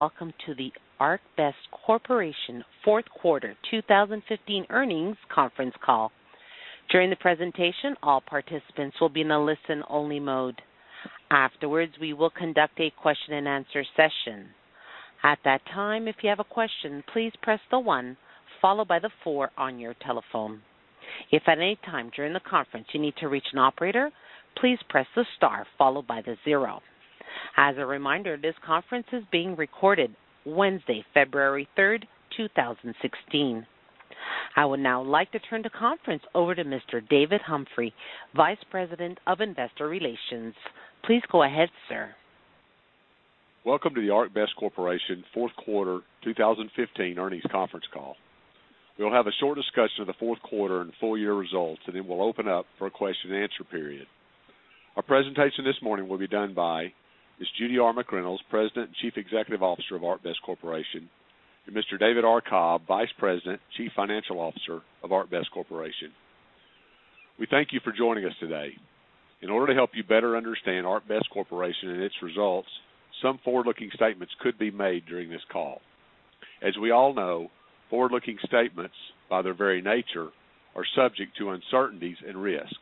Welcome to the ArcBest Corporation fourth quarter 2015 earnings conference call. During the presentation, all participants will be in a listen-only mode. Afterwards, we will conduct a question-and-answer session. At that time, if you have a question, please press the one followed by the four on your telephone. If at any time during the conference you need to reach an operator, please press the star followed by the zero. As a reminder, this conference is being recorded Wednesday, February 3, 2016. I would now like to turn the conference over to Mr. David Humphrey, Vice President of Investor Relations. Please go ahead, sir. Welcome to the ArcBest Corporation fourth quarter 2015 earnings conference call. We'll have a short discussion of the fourth quarter and full year results, and then we'll open up for a question-and-answer period. Our presentation this morning will be done by Ms. Judy R. McReynolds, President and Chief Executive Officer of ArcBest Corporation, and Mr. David R. Cobb, Vice President, Chief Financial Officer of ArcBest Corporation. We thank you for joining us today. In order to help you better understand ArcBest Corporation and its results, some forward-looking statements could be made during this call. As we all know, forward-looking statements, by their very nature, are subject to uncertainties and risk.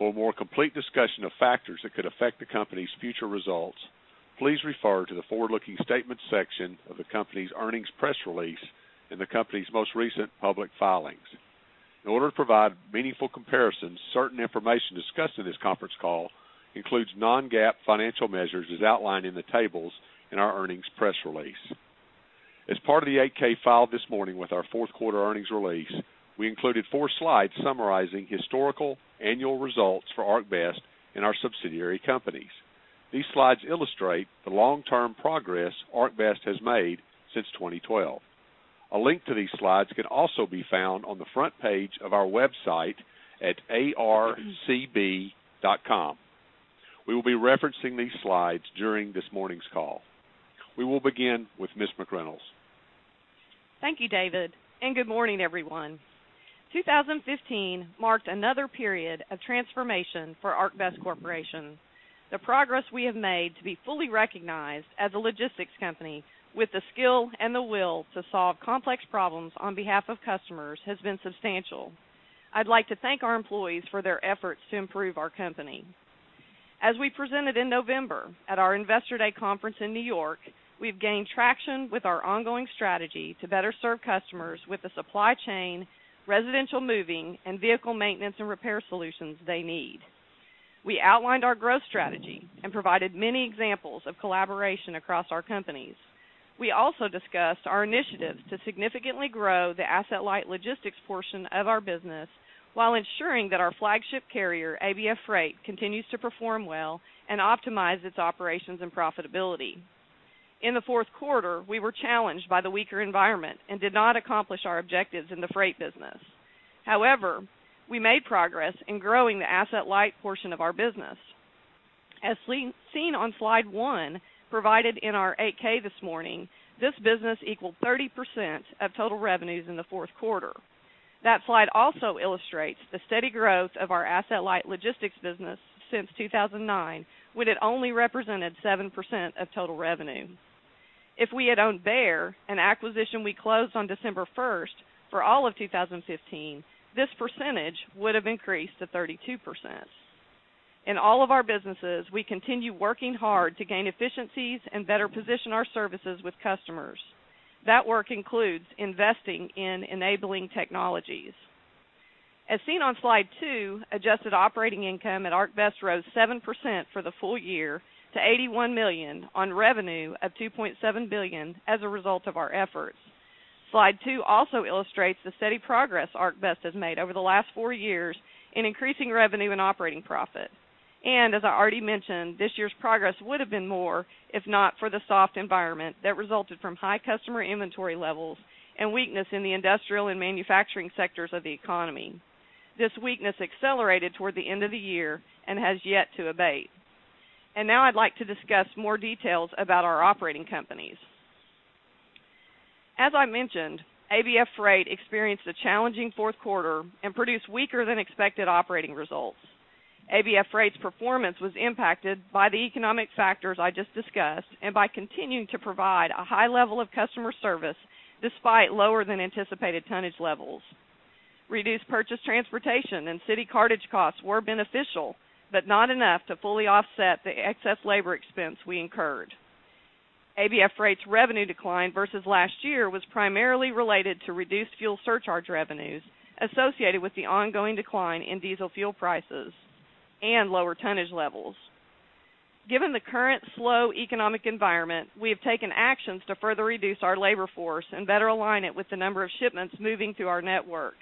For a more complete discussion of factors that could affect the company's future results, please refer to the Forward-Looking Statements section of the company's earnings press release in the company's most recent public filings. In order to provide meaningful comparisons, certain information discussed in this conference call includes non-GAAP financial measures, as outlined in the tables in our earnings press release. As part of the 8-K filed this morning with our fourth quarter earnings release, we included four slides summarizing historical annual results for ArcBest and our subsidiary companies. These slides illustrate the long-term progress ArcBest has made since 2012. A link to these slides can also be found on the front page of our website at arcb.com. We will be referencing these slides during this morning's call. We will begin with Ms. McReynolds. Thank you, David, and good morning, everyone. 2015 marked another period of transformation for ArcBest Corporation. The progress we have made to be fully recognized as a logistics company with the skill and the will to solve complex problems on behalf of customers has been substantial. I'd like to thank our employees for their efforts to improve our company. As we presented in November at our Investor Day conference in New York, we've gained traction with our ongoing strategy to better serve customers with the supply chain, residential moving, and vehicle maintenance and repair solutions they need. We outlined our growth strategy and provided many examples of collaboration across our companies. We also discussed our initiatives to significantly grow the asset-light logistics portion of our business while ensuring that our flagship carrier, ABF Freight, continues to perform well and optimize its operations and profitability. In the fourth quarter, we were challenged by the weaker environment and did not accomplish our objectives in the freight business. However, we made progress in growing the asset-light portion of our business. As seen on slide 1, provided in our 8-K this morning, this business equaled 30% of total revenues in the fourth quarter. That slide also illustrates the steady growth of our asset-light logistics business since 2009, when it only represented 7% of total revenue. If we had owned Bear, an acquisition we closed on December first, for all of 2015, this percentage would have increased to 32%. In all of our businesses, we continue working hard to gain efficiencies and better position our services with customers. That work includes investing in enabling technologies. As seen on slide 2, adjusted operating income at ArcBest rose 7% for the full year to $81 million on revenue of $2.7 billion as a result of our efforts. slide 2 also illustrates the steady progress ArcBest has made over the last four years in increasing revenue and operating profit. As I already mentioned, this year's progress would have been more if not for the soft environment that resulted from high customer inventory levels and weakness in the industrial and manufacturing sectors of the economy. This weakness accelerated toward the end of the year and has yet to abate. Now I'd like to discuss more details about our operating companies. As I mentioned, ABF Freight experienced a challenging fourth quarter and produced weaker-than-expected operating results. ABF Freight's performance was impacted by the economic factors I just discussed and by continuing to provide a high level of customer service despite lower-than-anticipated tonnage levels. Reduced purchased transportation and city cartage costs were beneficial, but not enough to fully offset the excess labor expense we incurred. ABF Freight's revenue decline versus last year was primarily related to reduced fuel surcharge revenues associated with the ongoing decline in diesel fuel prices and lower tonnage levels. Given the current slow economic environment, we have taken actions to further reduce our labor force and better align it with the number of shipments moving through our network.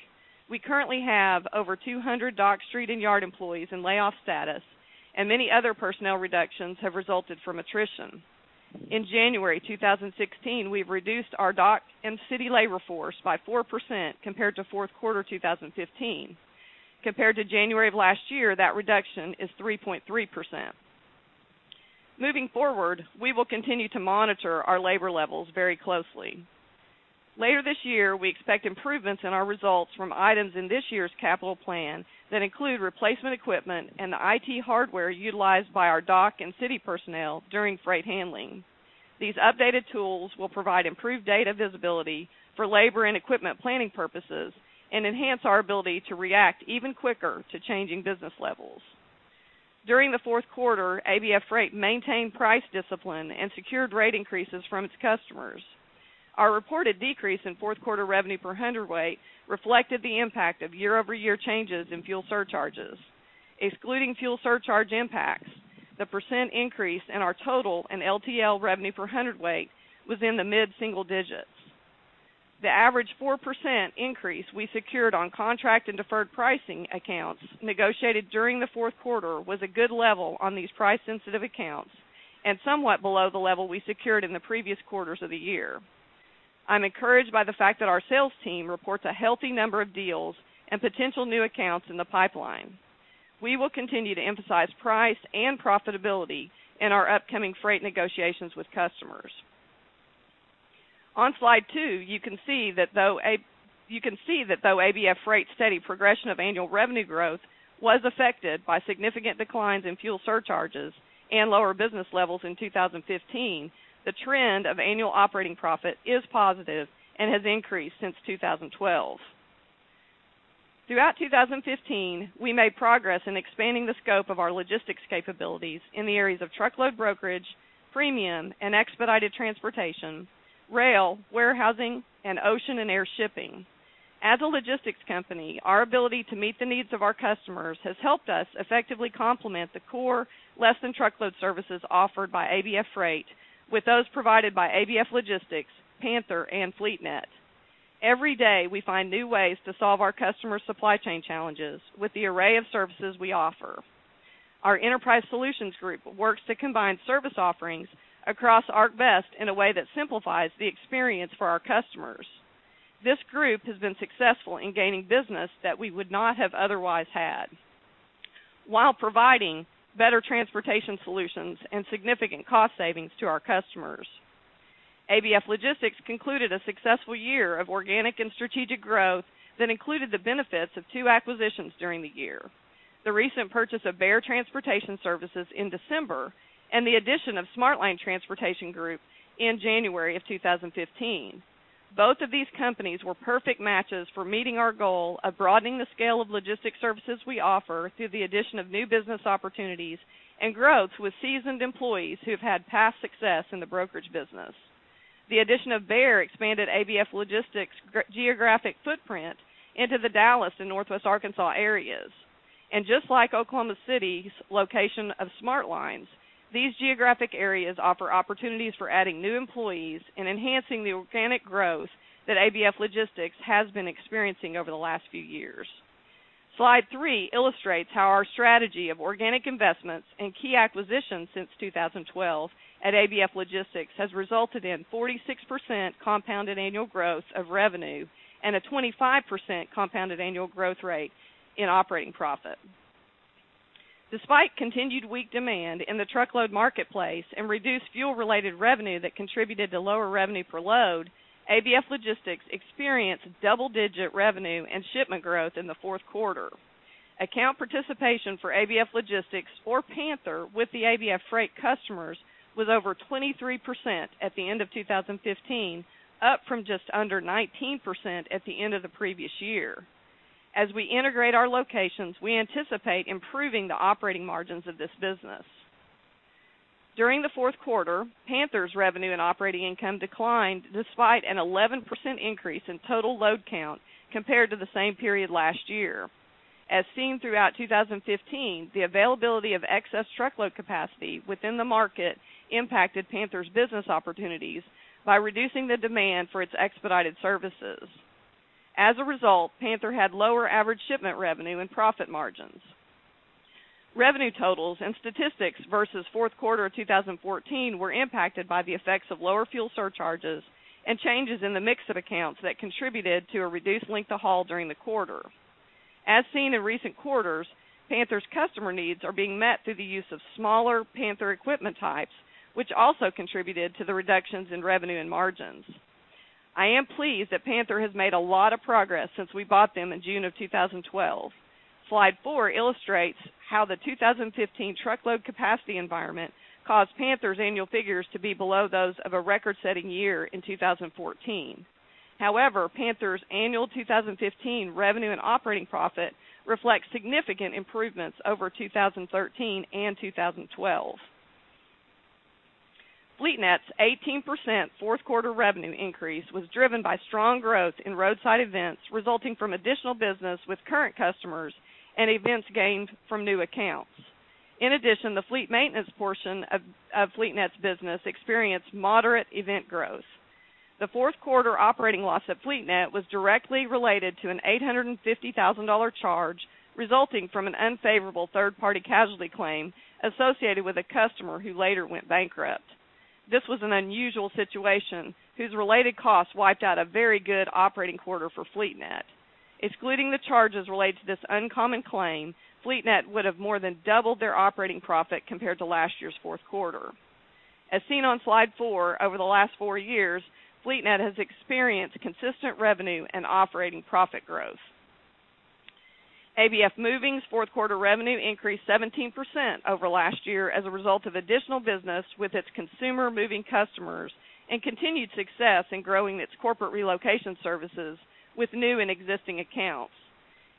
We currently have over 200 dock, street, and yard employees in layoff status, and many other personnel reductions have resulted from attrition. In January 2016, we've reduced our dock and city labor force by 4% compared to fourth quarter 2015. Compared to January of last year, that reduction is 3.3%. Moving forward, we will continue to monitor our labor levels very closely. Later this year, we expect improvements in our results from items in this year's capital plan that include replacement equipment and the IT hardware utilized by our dock and city personnel during freight handling. These updated tools will provide improved data visibility for labor and equipment planning purposes and enhance our ability to react even quicker to changing business levels. During the fourth quarter, ABF Freight maintained price discipline and secured rate increases from its customers. Our reported decrease in fourth quarter revenue per hundredweight reflected the impact of year-over-year changes in fuel surcharges. Excluding fuel surcharge impacts, the percent increase in our total and LTL revenue per hundredweight was in the mid-single digits. The average 4% increase we secured on contract and deferred pricing accounts negotiated during the fourth quarter was a good level on these price-sensitive accounts and somewhat below the level we secured in the previous quarters of the year. I'm encouraged by the fact that our sales team reports a healthy number of deals and potential new accounts in the pipeline. We will continue to emphasize price and profitability in our upcoming freight negotiations with customers. On slide 2, you can see that though ABF Freight's steady progression of annual revenue growth was affected by significant declines in fuel surcharges and lower business levels in 2015, the trend of annual operating profit is positive and has increased since 2012. Throughout 2015, we made progress in expanding the scope of our logistics capabilities in the areas of truckload brokerage, premium, and expedited transportation, rail, warehousing, and ocean and air shipping. As a logistics company, our ability to meet the needs of our customers has helped us effectively complement the core less-than-truckload services offered by ABF Freight with those provided by ABF Logistics, Panther, and FleetNet. Every day, we find new ways to solve our customers' supply chain challenges with the array of services we offer. Our Enterprise Solutions Group works to combine service offerings across ArcBest in a way that simplifies the experience for our customers. This group has been successful in gaining business that we would not have otherwise had, while providing better transportation solutions and significant cost savings to our customers. ABF Logistics concluded a successful year of organic and strategic growth that included the benefits of two acquisitions during the year, the recent purchase of Bear Transportation Services in December, and the addition of Smart Lines Transportation Group in January 2015. Both of these companies were perfect matches for meeting our goal of broadening the scale of logistics services we offer through the addition of new business opportunities and growth with seasoned employees who have had past success in the brokerage business. The addition of Bear expanded ABF Logistics' geographic footprint into the Dallas and Northwest Arkansas areas. And just like Oklahoma City's location of Smart Lines, these geographic areas offer opportunities for adding new employees and enhancing the organic growth that ABF Logistics has been experiencing over the last few years. slide three illustrates how our strategy of organic investments and key acquisitions since 2012 at ABF Logistics has resulted in 46% compounded annual growth of revenue and a 25% compounded annual growth rate in operating profit. Despite continued weak demand in the truckload marketplace and reduced fuel-related revenue that contributed to lower revenue per load, ABF Logistics experienced double-digit revenue and shipment growth in the fourth quarter. Account participation for ABF Logistics or Panther with the ABF Freight customers was over 23% at the end of 2015, up from just under 19% at the end of the previous year. As we integrate our locations, we anticipate improving the operating margins of this business. During the fourth quarter, Panther's revenue and operating income declined, despite an 11% increase in total load count compared to the same period last year. As seen throughout 2015, the availability of excess truckload capacity within the market impacted Panther's business opportunities by reducing the demand for its expedited services. As a result, Panther had lower average shipment revenue and profit margins. Revenue totals and statistics versus fourth quarter of 2014 were impacted by the effects of lower fuel surcharges and changes in the mix of accounts that contributed to a reduced length of haul during the quarter. As seen in recent quarters, Panther's customer needs are being met through the use of smaller Panther equipment types, which also contributed to the reductions in revenue and margins. I am pleased that Panther has made a lot of progress since we bought them in June of 2012. slide 4 illustrates how the 2015 truckload capacity environment caused Panther's annual figures to be below those of a record-setting year in 2014. However, Panther's annual 2015 revenue and operating profit reflects significant improvements over 2013 and 2012. FleetNet's 18% fourth quarter revenue increase was driven by strong growth in roadside events, resulting from additional business with current customers and events gained from new accounts. In addition, the fleet maintenance portion of FleetNet's business experienced moderate event growth. The fourth quarter operating loss at FleetNet was directly related to an $850,000 charge resulting from an unfavorable third-party casualty claim associated with a customer who later went bankrupt. This was an unusual situation whose related costs wiped out a very good operating quarter for FleetNet. Excluding the charges related to this uncommon claim, FleetNet would have more than doubled their operating profit compared to last year's fourth quarter. As seen on slide 4, over the last four years, FleetNet has experienced consistent revenue and operating profit growth. ABF Moving's fourth quarter revenue increased 17% over last year as a result of additional business with its consumer moving customers and continued success in growing its corporate relocation services with new and existing accounts.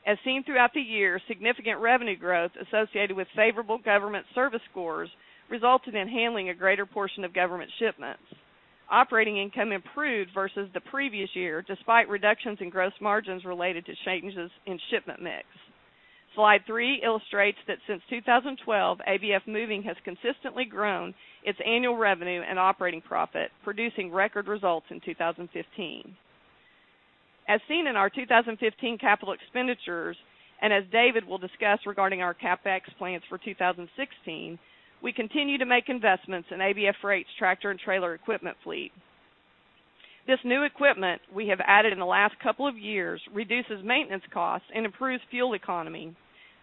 As seen throughout the year, significant revenue growth associated with favorable government service scores resulted in handling a greater portion of government shipments. Operating income improved versus the previous year, despite reductions in gross margins related to changes in shipment mix. slide 3 illustrates that since 2012, ABF Moving has consistently grown its annual revenue and operating profit, producing record results in 2015. As seen in our 2015 capital expenditures, and as David will discuss regarding our CapEx plans for 2016, we continue to make investments in ABF Freight's tractor and trailer equipment fleet. This new equipment we have added in the last couple of years reduces maintenance costs and improves fuel economy.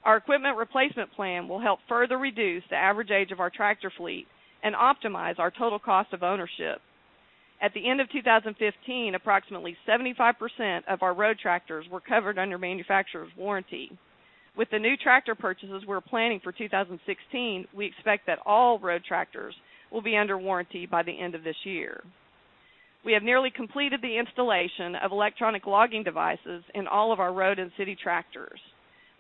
Our equipment replacement plan will help further reduce the average age of our tractor fleet and optimize our total cost of ownership. At the end of 2015, approximately 75% of our road tractors were covered under manufacturer's warranty. With the new tractor purchases we're planning for 2016, we expect that all road tractors will be under warranty by the end of this year. We have nearly completed the installation of electronic logging devices in all of our road and city tractors.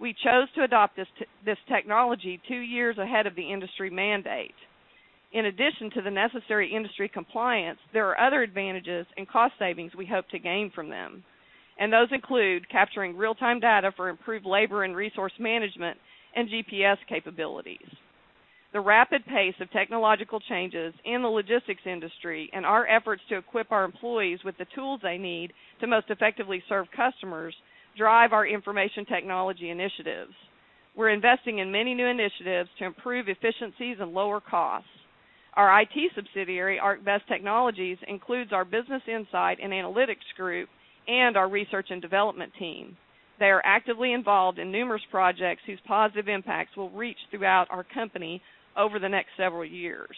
We chose to adopt this technology two years ahead of the industry mandate. In addition to the necessary industry compliance, there are other advantages and cost savings we hope to gain from them, and those include capturing real-time data for improved labor and resource management and GPS capabilities. The rapid pace of technological changes in the logistics industry and our efforts to equip our employees with the tools they need to most effectively serve customers, drive our information technology initiatives. We're investing in many new initiatives to improve efficiencies and lower costs. Our IT subsidiary, ArcBest Technologies, includes our business insight and analytics group and our research and development team. They are actively involved in numerous projects whose positive impacts will reach throughout our company over the next several years.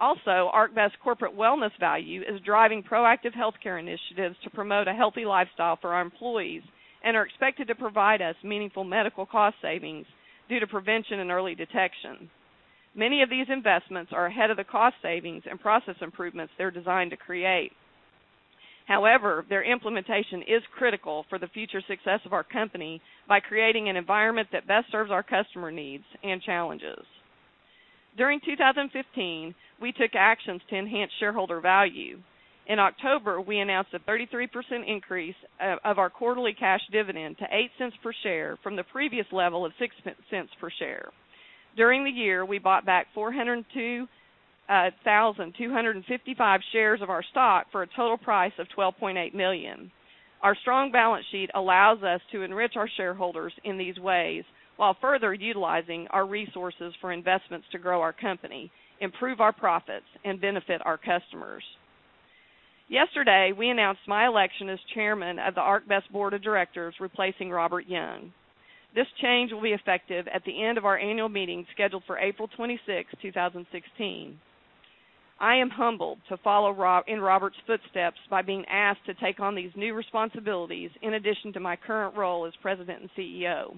Also, ArcBest Corporate Wellness Value is driving proactive healthcare initiatives to promote a healthy lifestyle for our employees and are expected to provide us meaningful medical cost savings due to prevention and early detection. Many of these investments are ahead of the cost savings and process improvements they're designed to create. However, their implementation is critical for the future success of our company by creating an environment that best serves our customer needs and challenges. During 2015, we took actions to enhance shareholder value. In October, we announced a 33% increase of our quarterly cash dividend to $0.08 per share from the previous level of $0.06 per share. During the year, we bought back 402,255 shares of our stock for a total price of $12.8 million. Our strong balance sheet allows us to enrich our shareholders in these ways while further utilizing our resources for investments to grow our company, improve our profits, and benefit our customers. Yesterday, we announced my election as Chairman of the ArcBest Board of Directors, replacing Robert Young. This change will be effective at the end of our annual meeting, scheduled for April 26th, 2016. I am humbled to follow in Robert's footsteps by being asked to take on these new responsibilities in addition to my current role as President and CEO.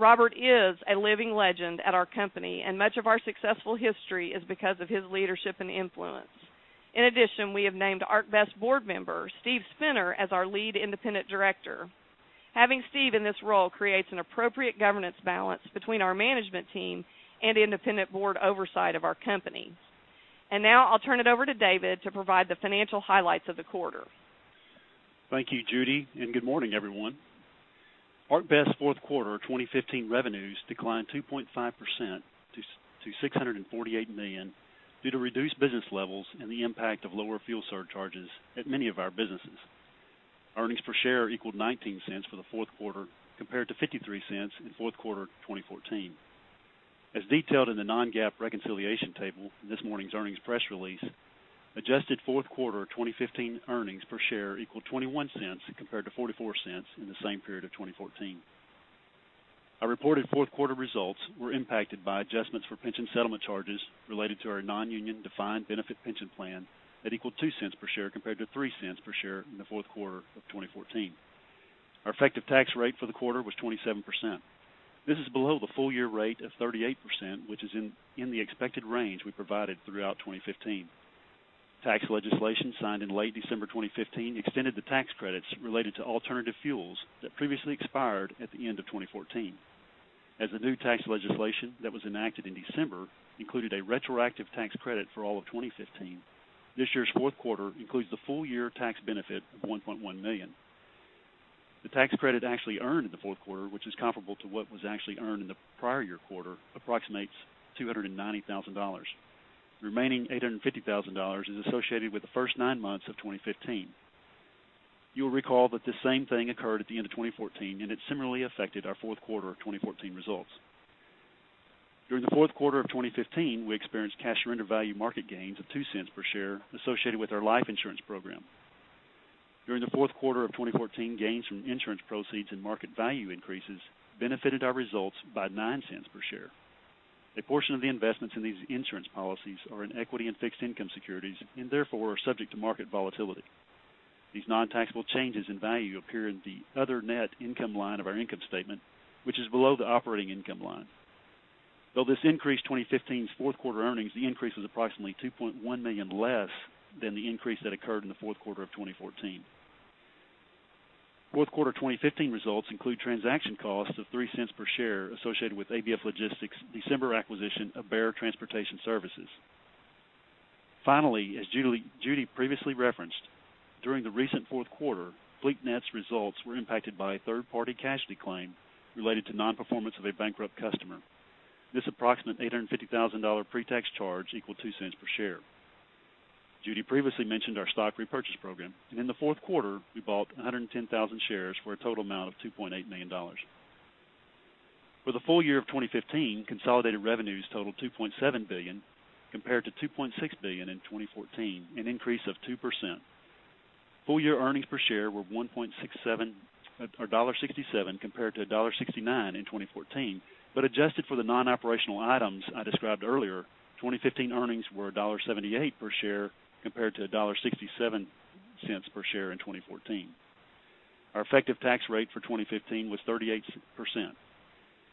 Robert is a living legend at our company, and much of our successful history is because of his leadership and influence. In addition, we have named ArcBest board member Steve Spinner as our lead independent director. Having Steve in this role creates an appropriate governance balance between our management team and independent board oversight of our company. Now I'll turn it over to David to provide the financial highlights of the quarter. Thank you, Judy, and good morning, everyone. ArcBest's fourth quarter of 2015 revenues declined 2.5% to $648 million due to reduced business levels and the impact of lower fuel surcharges at many of our businesses. Earnings per share equaled $0.19 for the fourth quarter, compared to $0.53 in fourth quarter of 2014. As detailed in the non-GAAP reconciliation table in this morning's earnings press release, adjusted fourth quarter of 2015 earnings per share equaled $0.21 compared to $0.44 in the same period of 2014. Our reported fourth quarter results were impacted by adjustments for pension settlement charges related to our non-union defined benefit pension plan that equaled $0.02 per share, compared to $0.03 per share in the fourth quarter of 2014. Our effective tax rate for the quarter was 27%. This is below the full year rate of 38%, which is in the expected range we provided throughout 2015. Tax legislation signed in late December 2015 extended the tax credits related to alternative fuels that previously expired at the end of 2014. As the new tax legislation that was enacted in December included a retroactive tax credit for all of 2015, this year's fourth quarter includes the full year tax benefit of $1.1 million. The tax credit actually earned in the fourth quarter, which is comparable to what was actually earned in the prior year quarter, approximates $290,000. The remaining $850,000 is associated with the first nine months of 2015. You'll recall that the same thing occurred at the end of 2014, and it similarly affected our fourth quarter of 2014 results. During the fourth quarter of 2015, we experienced cash surrender value market gains of $0.02 per share associated with our life insurance program. During the fourth quarter of 2014, gains from insurance proceeds and market value increases benefited our results by $0.09 per share. A portion of the investments in these insurance policies are in equity and fixed income securities, and therefore, are subject to market volatility. These non-taxable changes in value appear in the other net income line of our income statement, which is below the operating income line. Though this increased 2015's fourth quarter earnings, the increase was approximately $2.1 million less than the increase that occurred in the fourth quarter of 2014. Fourth quarter 2015 results include transaction costs of $0.03 per share associated with ABF Logistics' December acquisition of Bear Transportation Services. Finally, as Judy previously referenced, during the recent fourth quarter, FleetNet's results were impacted by a third-party casualty claim related to non-performance of a bankrupt customer. This approximate $850,000 pre-tax charge equaled $0.02 per share. Judy previously mentioned our stock repurchase program, and in the fourth quarter, we bought 110,000 shares for a total amount of $2.8 million. For the full year of 2015, consolidated revenues totaled $2.7 billion, compared to $2.6 billion in 2014, an increase of 2%. Full year earnings per share were $1.67, or $1.67, compared to $1.69 in 2014. But adjusted for the non-operational items I described earlier, 2015 earnings were $1.78 per share compared to $1.67 per share in 2014. Our effective tax rate for 2015 was 38%.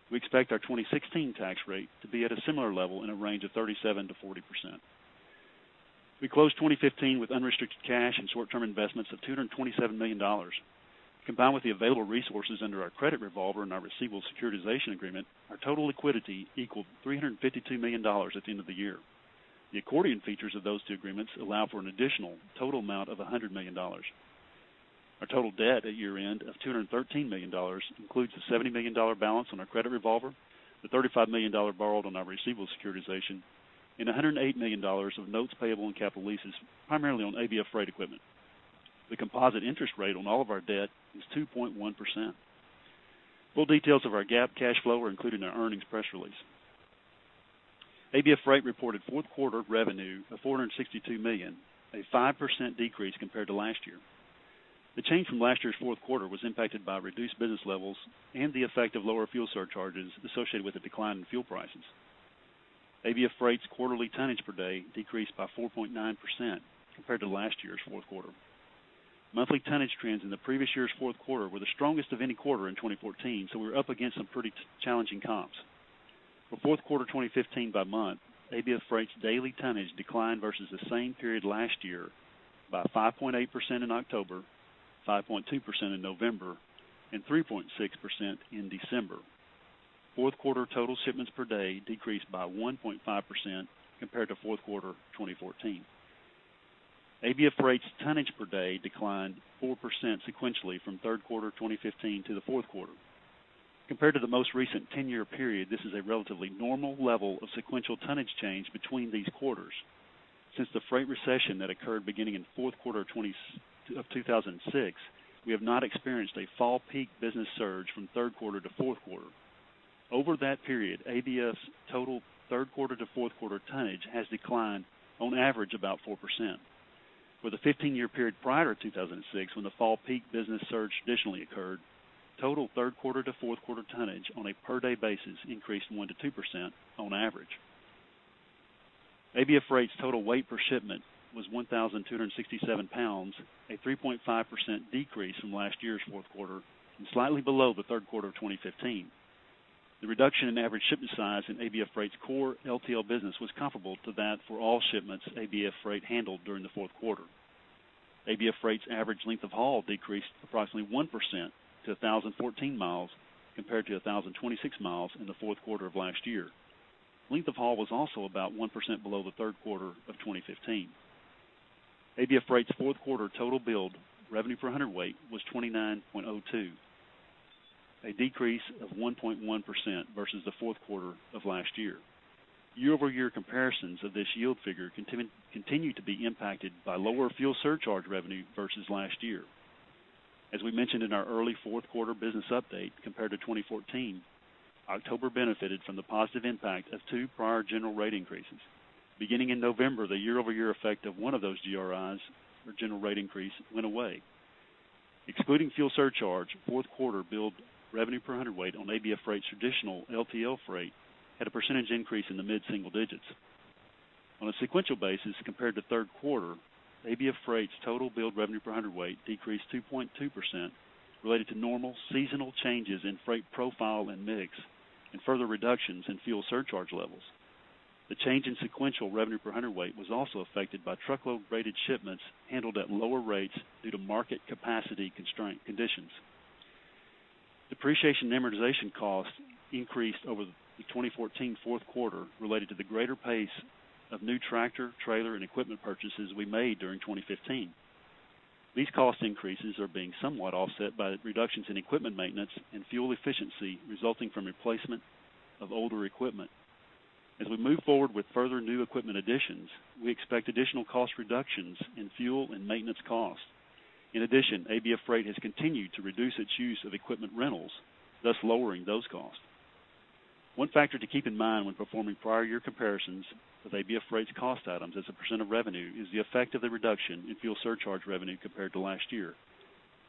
We expect our 2016 tax rate to be at a similar level in a range of 37%-40%. We closed 2015 with unrestricted cash and short-term investments of $227 million. Combined with the available resources under our credit revolver and our receivable securitization agreement, our total liquidity equaled $352 million at the end of the year. The accordion features of those two agreements allow for an additional total amount of $100 million. Our total debt at year-end of $213 million includes a $70 million balance on our credit revolver, the $35 million borrowed on our receivable securitization, and $108 million of notes payable and capital leases, primarily on ABF Freight equipment. The composite interest rate on all of our debt is 2.1%. Full details of our GAAP cash flow are included in our earnings press release. ABF Freight reported fourth quarter revenue of $462 million, a 5% decrease compared to last year. The change from last year's fourth quarter was impacted by reduced business levels and the effect of lower fuel surcharges associated with the decline in fuel prices. ABF Freight's quarterly tonnage per day decreased by 4.9% compared to last year's fourth quarter. Monthly tonnage trends in the previous year's fourth quarter were the strongest of any quarter in 2014, so we're up against some pretty challenging comps. For fourth quarter 2015 by month, ABF Freight's daily tonnage declined versus the same period last year by 5.8% in October, 5.2% in November, and 3.6% in December. Fourth quarter total shipments per day decreased by 1.5% compared to fourth quarter 2014. ABF Freight's tonnage per day declined 4% sequentially from third quarter 2015 to the fourth quarter. Compared to the most recent ten-year period, this is a relatively normal level of sequential tonnage change between these quarters. Since the freight recession that occurred beginning in fourth quarter of 2006, we have not experienced a fall peak business surge from third quarter to fourth quarter. Over that period, ABF's total third quarter to fourth quarter tonnage has declined on average, about 4%. For the 15-year period prior to 2006, when the fall peak business surge traditionally occurred, total third quarter to fourth quarter tonnage on a per day basis increased 1%-2% on average. ABF Freight's total weight per shipment was 1,267 lbs, a 3.5% decrease from last year's fourth quarter and slightly below the third quarter of 2015. The reduction in average shipment size in ABF Freight's core LTL business was comparable to that for all shipments ABF Freight handled during the fourth quarter. ABF Freight's average length of haul decreased approximately 1% to 1,014 mi, compared to 1,026 mi in the fourth quarter of last year. Length of haul was also about 1% below the third quarter of 2015. ABF Freight's fourth quarter total billed revenue per hundredweight was 29.02, a decrease of 1.1% versus the fourth quarter of last year. Year-over-year comparisons of this yield figure continue to be impacted by lower fuel surcharge revenue versus last year. As we mentioned in our early fourth quarter business update, compared to 2014, October benefited from the positive impact of 2 prior general rate increases. Beginning in November, the year-over-year effect of one of those GRIs, or general rate increase, went away. Excluding fuel surcharge, fourth quarter billed revenue per hundredweight on ABF Freight's traditional LTL freight had a percentage increase in the mid-single digits. On a sequential basis, compared to third quarter, ABF Freight's total billed revenue per hundredweight decreased 2.2% related to normal seasonal changes in freight profile and mix, and further reductions in fuel surcharge levels. The change in sequential revenue per hundredweight was also affected by truckload-rated shipments handled at lower rates due to market capacity constraint conditions. Depreciation and amortization costs increased over the 2014 fourth quarter, related to the greater pace of new tractor, trailer, and equipment purchases we made during 2015. These cost increases are being somewhat offset by the reductions in equipment maintenance and fuel efficiency resulting from replacement of older equipment. As we move forward with further new equipment additions, we expect additional cost reductions in fuel and maintenance costs. In addition, ABF Freight has continued to reduce its use of equipment rentals, thus lowering those costs. One factor to keep in mind when performing prior year comparisons of ABF Freight's cost items as a percent of revenue, is the effect of the reduction in fuel surcharge revenue compared to last year.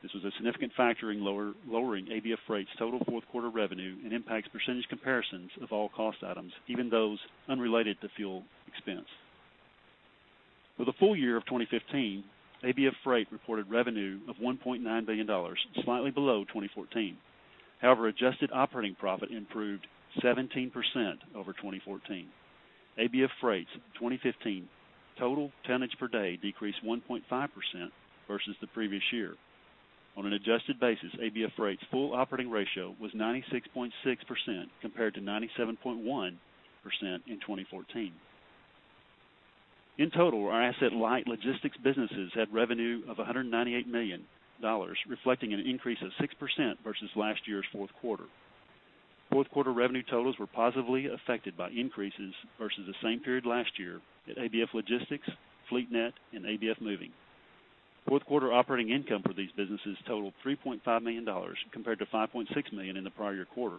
This was a significant factor in lowering ABF Freight's total fourth quarter revenue and impacts percentage comparisons of all cost items, even those unrelated to fuel expense. For the full year of 2015, ABF Freight reported revenue of $1.9 billion, slightly below 2014. However, adjusted operating profit improved 17% over 2014. ABF Freight's 2015 total tonnage per day decreased 1.5% versus the previous year. On an adjusted basis, ABF Freight's full operating ratio was 96.6%, compared to 97.1% in 2014. In total, our asset light logistics businesses had revenue of $198 million, reflecting an increase of 6% versus last year's fourth quarter. Fourth quarter revenue totals were positively affected by increases versus the same period last year at ABF Logistics, FleetNet, and ABF Moving. Fourth quarter operating income for these businesses totaled $3.5 million, compared to $5.6 million in the prior year quarter.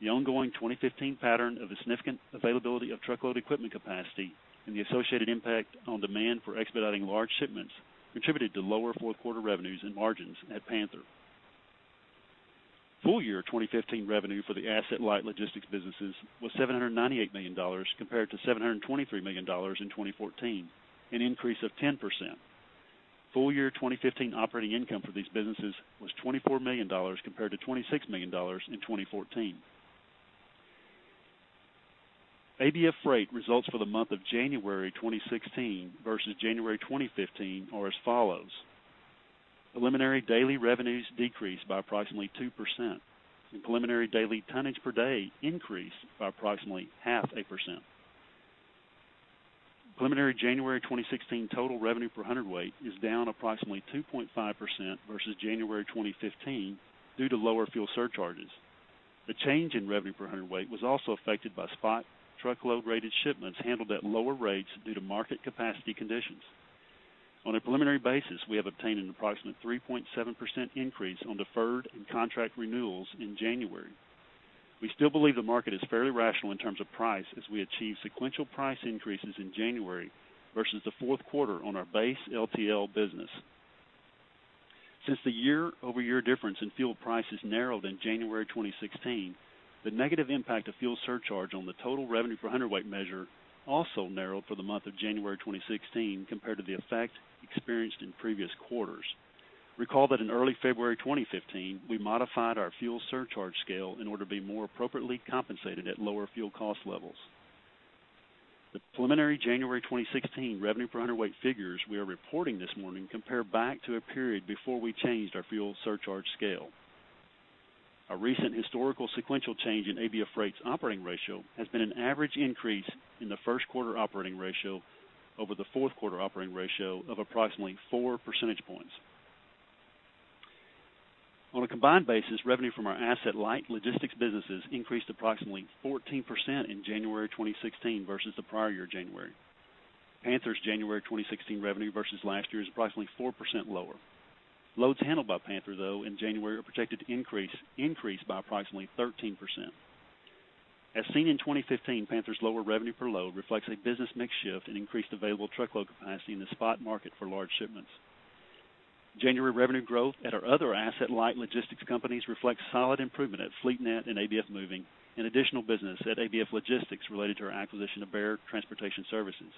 The ongoing 2015 pattern of a significant availability of truckload equipment capacity and the associated impact on demand for expediting large shipments, contributed to lower fourth quarter revenues and margins at Panther. Full year 2015 revenue for the asset light logistics businesses was $798 million, compared to $723 million in 2014, an increase of 10%. Full year 2015 operating income for these businesses was $24 million, compared to $26 million in 2014. ABF Freight results for the month of January 2016 versus January 2015 are as follows: preliminary daily revenues decreased by approximately 2%, and preliminary daily tonnage per day increased by approximately 0.5%. Preliminary January 2016 total revenue per hundredweight is down approximately 2.5% versus January 2015 due to lower fuel surcharges. The change in revenue per hundredweight was also affected by spot truckload rated shipments handled at lower rates due to market capacity conditions. On a preliminary basis, we have obtained an approximate 3.7% increase on deferred and contract renewals in January. We still believe the market is fairly rational in terms of price, as we achieve sequential price increases in January versus the fourth quarter on our base LTL business. Since the year-over-year difference in fuel prices narrowed in January 2016, the negative impact of fuel surcharge on the total revenue per hundredweight measure also narrowed for the month of January 2016 compared to the effect experienced in previous quarters. Recall that in early February 2015, we modified our fuel surcharge scale in order to be more appropriately compensated at lower fuel cost levels. The preliminary January 2016 revenue per hundredweight figures we are reporting this morning compare back to a period before we changed our fuel surcharge scale. A recent historical sequential change in ABF Freight's operating ratio has been an average increase in the first quarter operating ratio over the fourth quarter operating ratio of approximately 4 percentage points. On a combined basis, revenue from our asset light logistics businesses increased approximately 14% in January 2016 versus the prior year, January. Panther's January 2016 revenue versus last year is approximately 4% lower. Loads handled by Panther, though, in January are projected to increase by approximately 13%. As seen in 2015, Panther's lower revenue per load reflects a business mix shift and increased available truckload capacity in the spot market for large shipments. January revenue growth at our other asset light logistics companies reflects solid improvement at FleetNet and ABF Moving, and additional business at ABF Logistics related to our acquisition of Bear Transportation Services.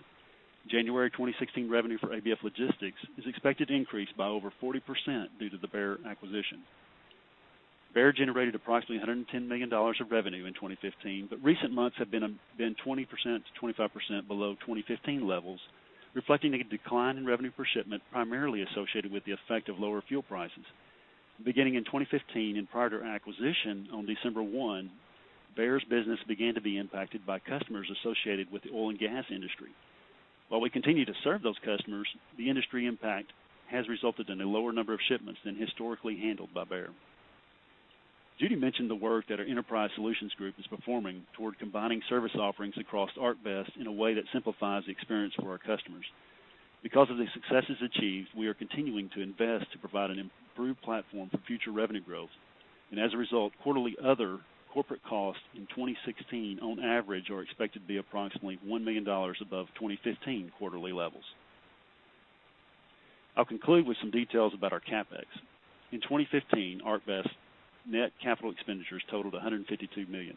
January 2016 revenue for ABF Logistics is expected to increase by over 40% due to the Bear acquisition. Bear generated approximately $110 million of revenue in 2015, but recent months have been 20%-25% below 2015 levels, reflecting a decline in revenue per shipment, primarily associated with the effect of lower fuel prices. Beginning in 2015, and prior to our acquisition on December 1, Bear's business began to be impacted by customers associated with the oil and gas industry. While we continue to serve those customers, the industry impact has resulted in a lower number of shipments than historically handled by Bear. Judy mentioned the work that our Enterprise Solutions Group is performing toward combining service offerings across ArcBest in a way that simplifies the experience for our customers. Because of the successes achieved, we are continuing to invest to provide an improved platform for future revenue growth. As a result, quarterly other corporate costs in 2016, on average, are expected to be approximately $1 million above 2015 quarterly levels. I'll conclude with some details about our CapEx. In 2015, ArcBest net capital expenditures totaled $152 million,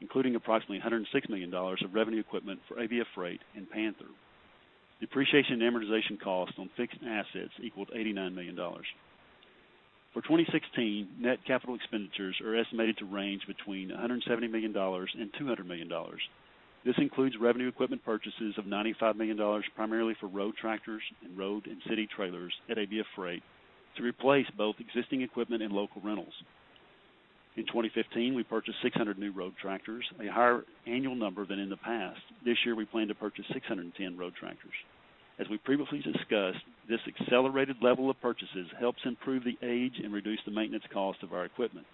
including approximately $106 million of revenue equipment for ABF Freight and Panther. Depreciation and amortization costs on fixed assets equaled $89 million. For 2016, net capital expenditures are estimated to range between $170 million and $200 million. This includes revenue equipment purchases of $95 million, primarily for road tractors and road and city trailers at ABF Freight, to replace both existing equipment and local rentals. In 2015, we purchased 600 new road tractors, a higher annual number than in the past. This year, we plan to purchase 610 road tractors. As we previously discussed, this accelerated level of purchases helps improve the age and reduce the maintenance cost of our equipment.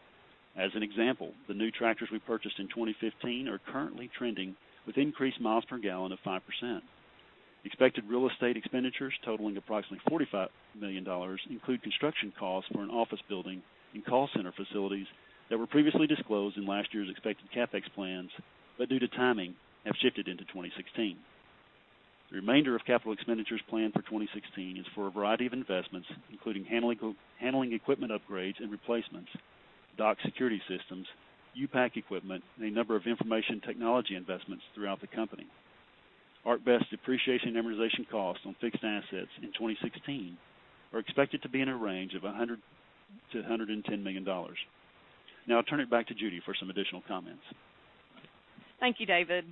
As an example, the new tractors we purchased in 2015 are currently trending with increased miles per gallon of 5%. Expected real estate expenditures totaling approximately $45 million include construction costs for an office building and call center facilities that were previously disclosed in last year's expected CapEx plans, but due to timing, have shifted into 2016. The remainder of capital expenditures planned for 2016 is for a variety of investments, including handling equipment upgrades and replacements, dock security systems, U-Pack equipment, and a number of information technology investments throughout the company. ArcBest depreciation amortization costs on fixed assets in 2016 are expected to be in a range of $100 million-$110 million. Now I'll turn it back to Judy for some additional comments. Thank you, David.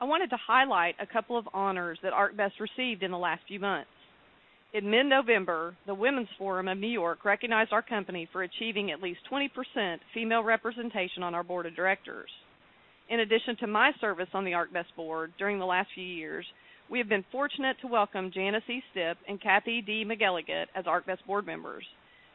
I wanted to highlight a couple of honors that ArcBest received in the last few months. In mid-November, the Women's Forum of New York recognized our company for achieving at least 20% female representation on our board of directors. In addition to my service on the ArcBest board during the last few years, we have been fortunate to welcome Janice E. Stipp and Kathy D. McElligott as ArcBest board members.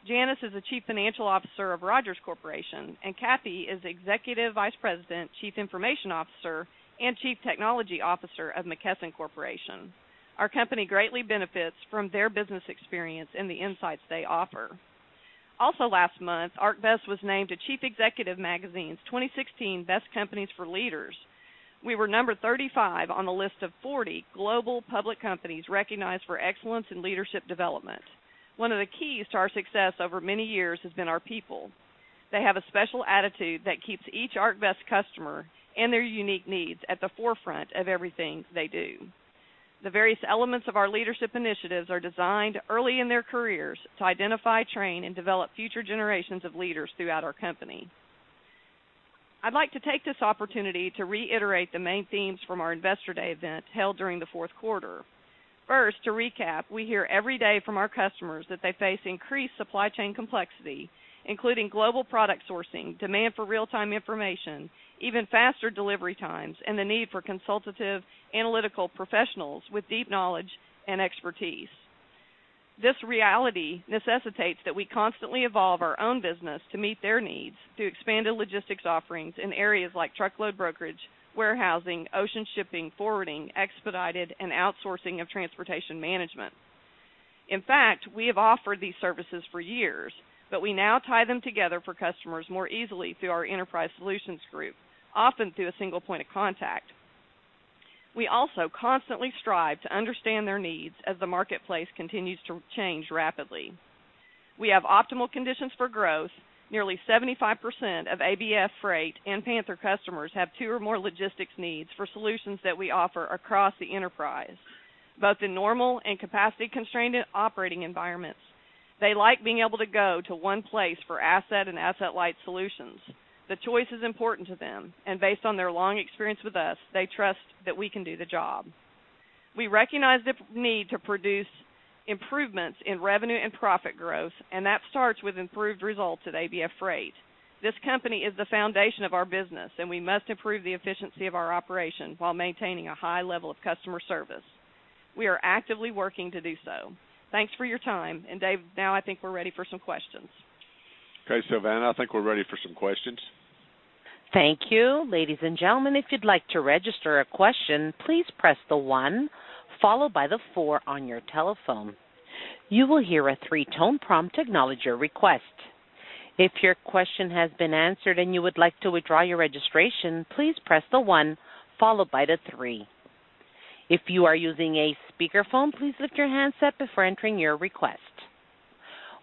Janice is the Chief Financial Officer of Rogers Corporation, and Kathy is Executive Vice President, Chief Information Officer, and Chief Technology Officer of McKesson Corporation. Our company greatly benefits from their business experience and the insights they offer. Also last month, ArcBest was named to Chief Executive Magazine's 2016 Best Companies for Leaders. We were number 35 on the list of 40 global public companies recognized for excellence in leadership development. One of the keys to our success over many years has been our people. They have a special attitude that keeps each ArcBest customer and their unique needs at the forefront of everything they do. The various elements of our leadership initiatives are designed early in their careers to identify, train, and develop future generations of leaders throughout our company. I'd like to take this opportunity to reiterate the main themes from our Investor Day event held during the fourth quarter. First, to recap, we hear every day from our customers that they face increased supply chain complexity, including global product sourcing, demand for real-time information, even faster delivery times, and the need for consultative analytical professionals with deep knowledge and expertise. This reality necessitates that we constantly evolve our own business to meet their needs through expanded logistics offerings in areas like truckload brokerage, warehousing, ocean shipping, forwarding, expedited, and outsourcing of transportation management. In fact, we have offered these services for years, but we now tie them together for customers more easily through our enterprise solutions group, often through a single point of contact. We also constantly strive to understand their needs as the marketplace continues to change rapidly. We have optimal conditions for growth. Nearly 75% of ABF Freight and Panther customers have two or more logistics needs for solutions that we offer across the enterprise, both in normal and capacity-constrained operating environments. They like being able to go to one place for asset and asset-light solutions. The choice is important to them, and based on their long experience with us, they trust that we can do the job. We recognize the need to produce improvements in revenue and profit growth, and that starts with improved results at ABF Freight. This company is the foundation of our business, and we must improve the efficiency of our operation while maintaining a high level of customer service. We are actively working to do so. Thanks for your time, and Dave, now I think we're ready for some questions. Okay. Savannah, I think we're ready for some questions. Thank you. Ladies and gentlemen, if you'd like to register a question, please press the one followed by the four on your telephone. You will hear a three-tone prompt to acknowledge your request. If your question has been answered and you would like to withdraw your registration, please press the one followed by the three. If you are using a speakerphone, please lift your handset before entering your request.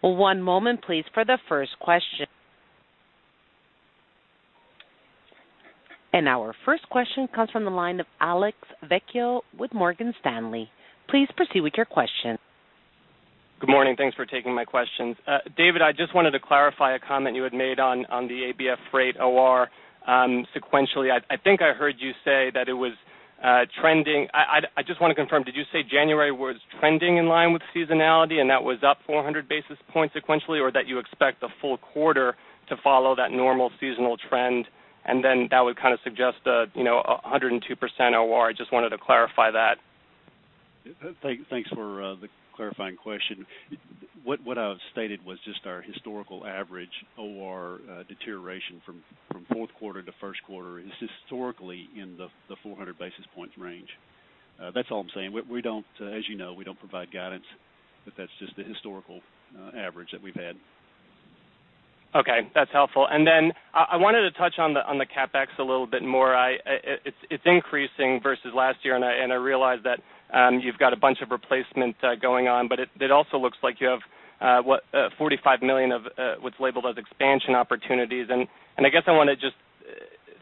One moment, please, for the first question. Our first question comes from the line of Alex Vecchio with Morgan Stanley. Please proceed with your question. Good morning. Thanks for taking my questions. David, I just wanted to clarify a comment you had made on the ABF Freight OR sequentially. I just want to confirm, did you say January was trending in line with seasonality, and that was up 400 basis points sequentially, or that you expect the full quarter to follow that normal seasonal trend, and then that would kind of suggest a, you know, a 102% OR? I just wanted to clarify that. Thanks for the clarifying question. What I've stated was just our historical average OR deterioration from fourth quarter to first quarter is historically in the 400 basis points range. That's all I'm saying. We don't, as you know, we don't provide guidance, but that's just the historical average that we've had. Okay, that's helpful. Then I wanted to touch on the CapEx a little bit more. It's increasing versus last year, and I realize that you've got a bunch of replacement going on, but it also looks like you have what $45 million of what's labeled as expansion opportunities. And I guess I want to just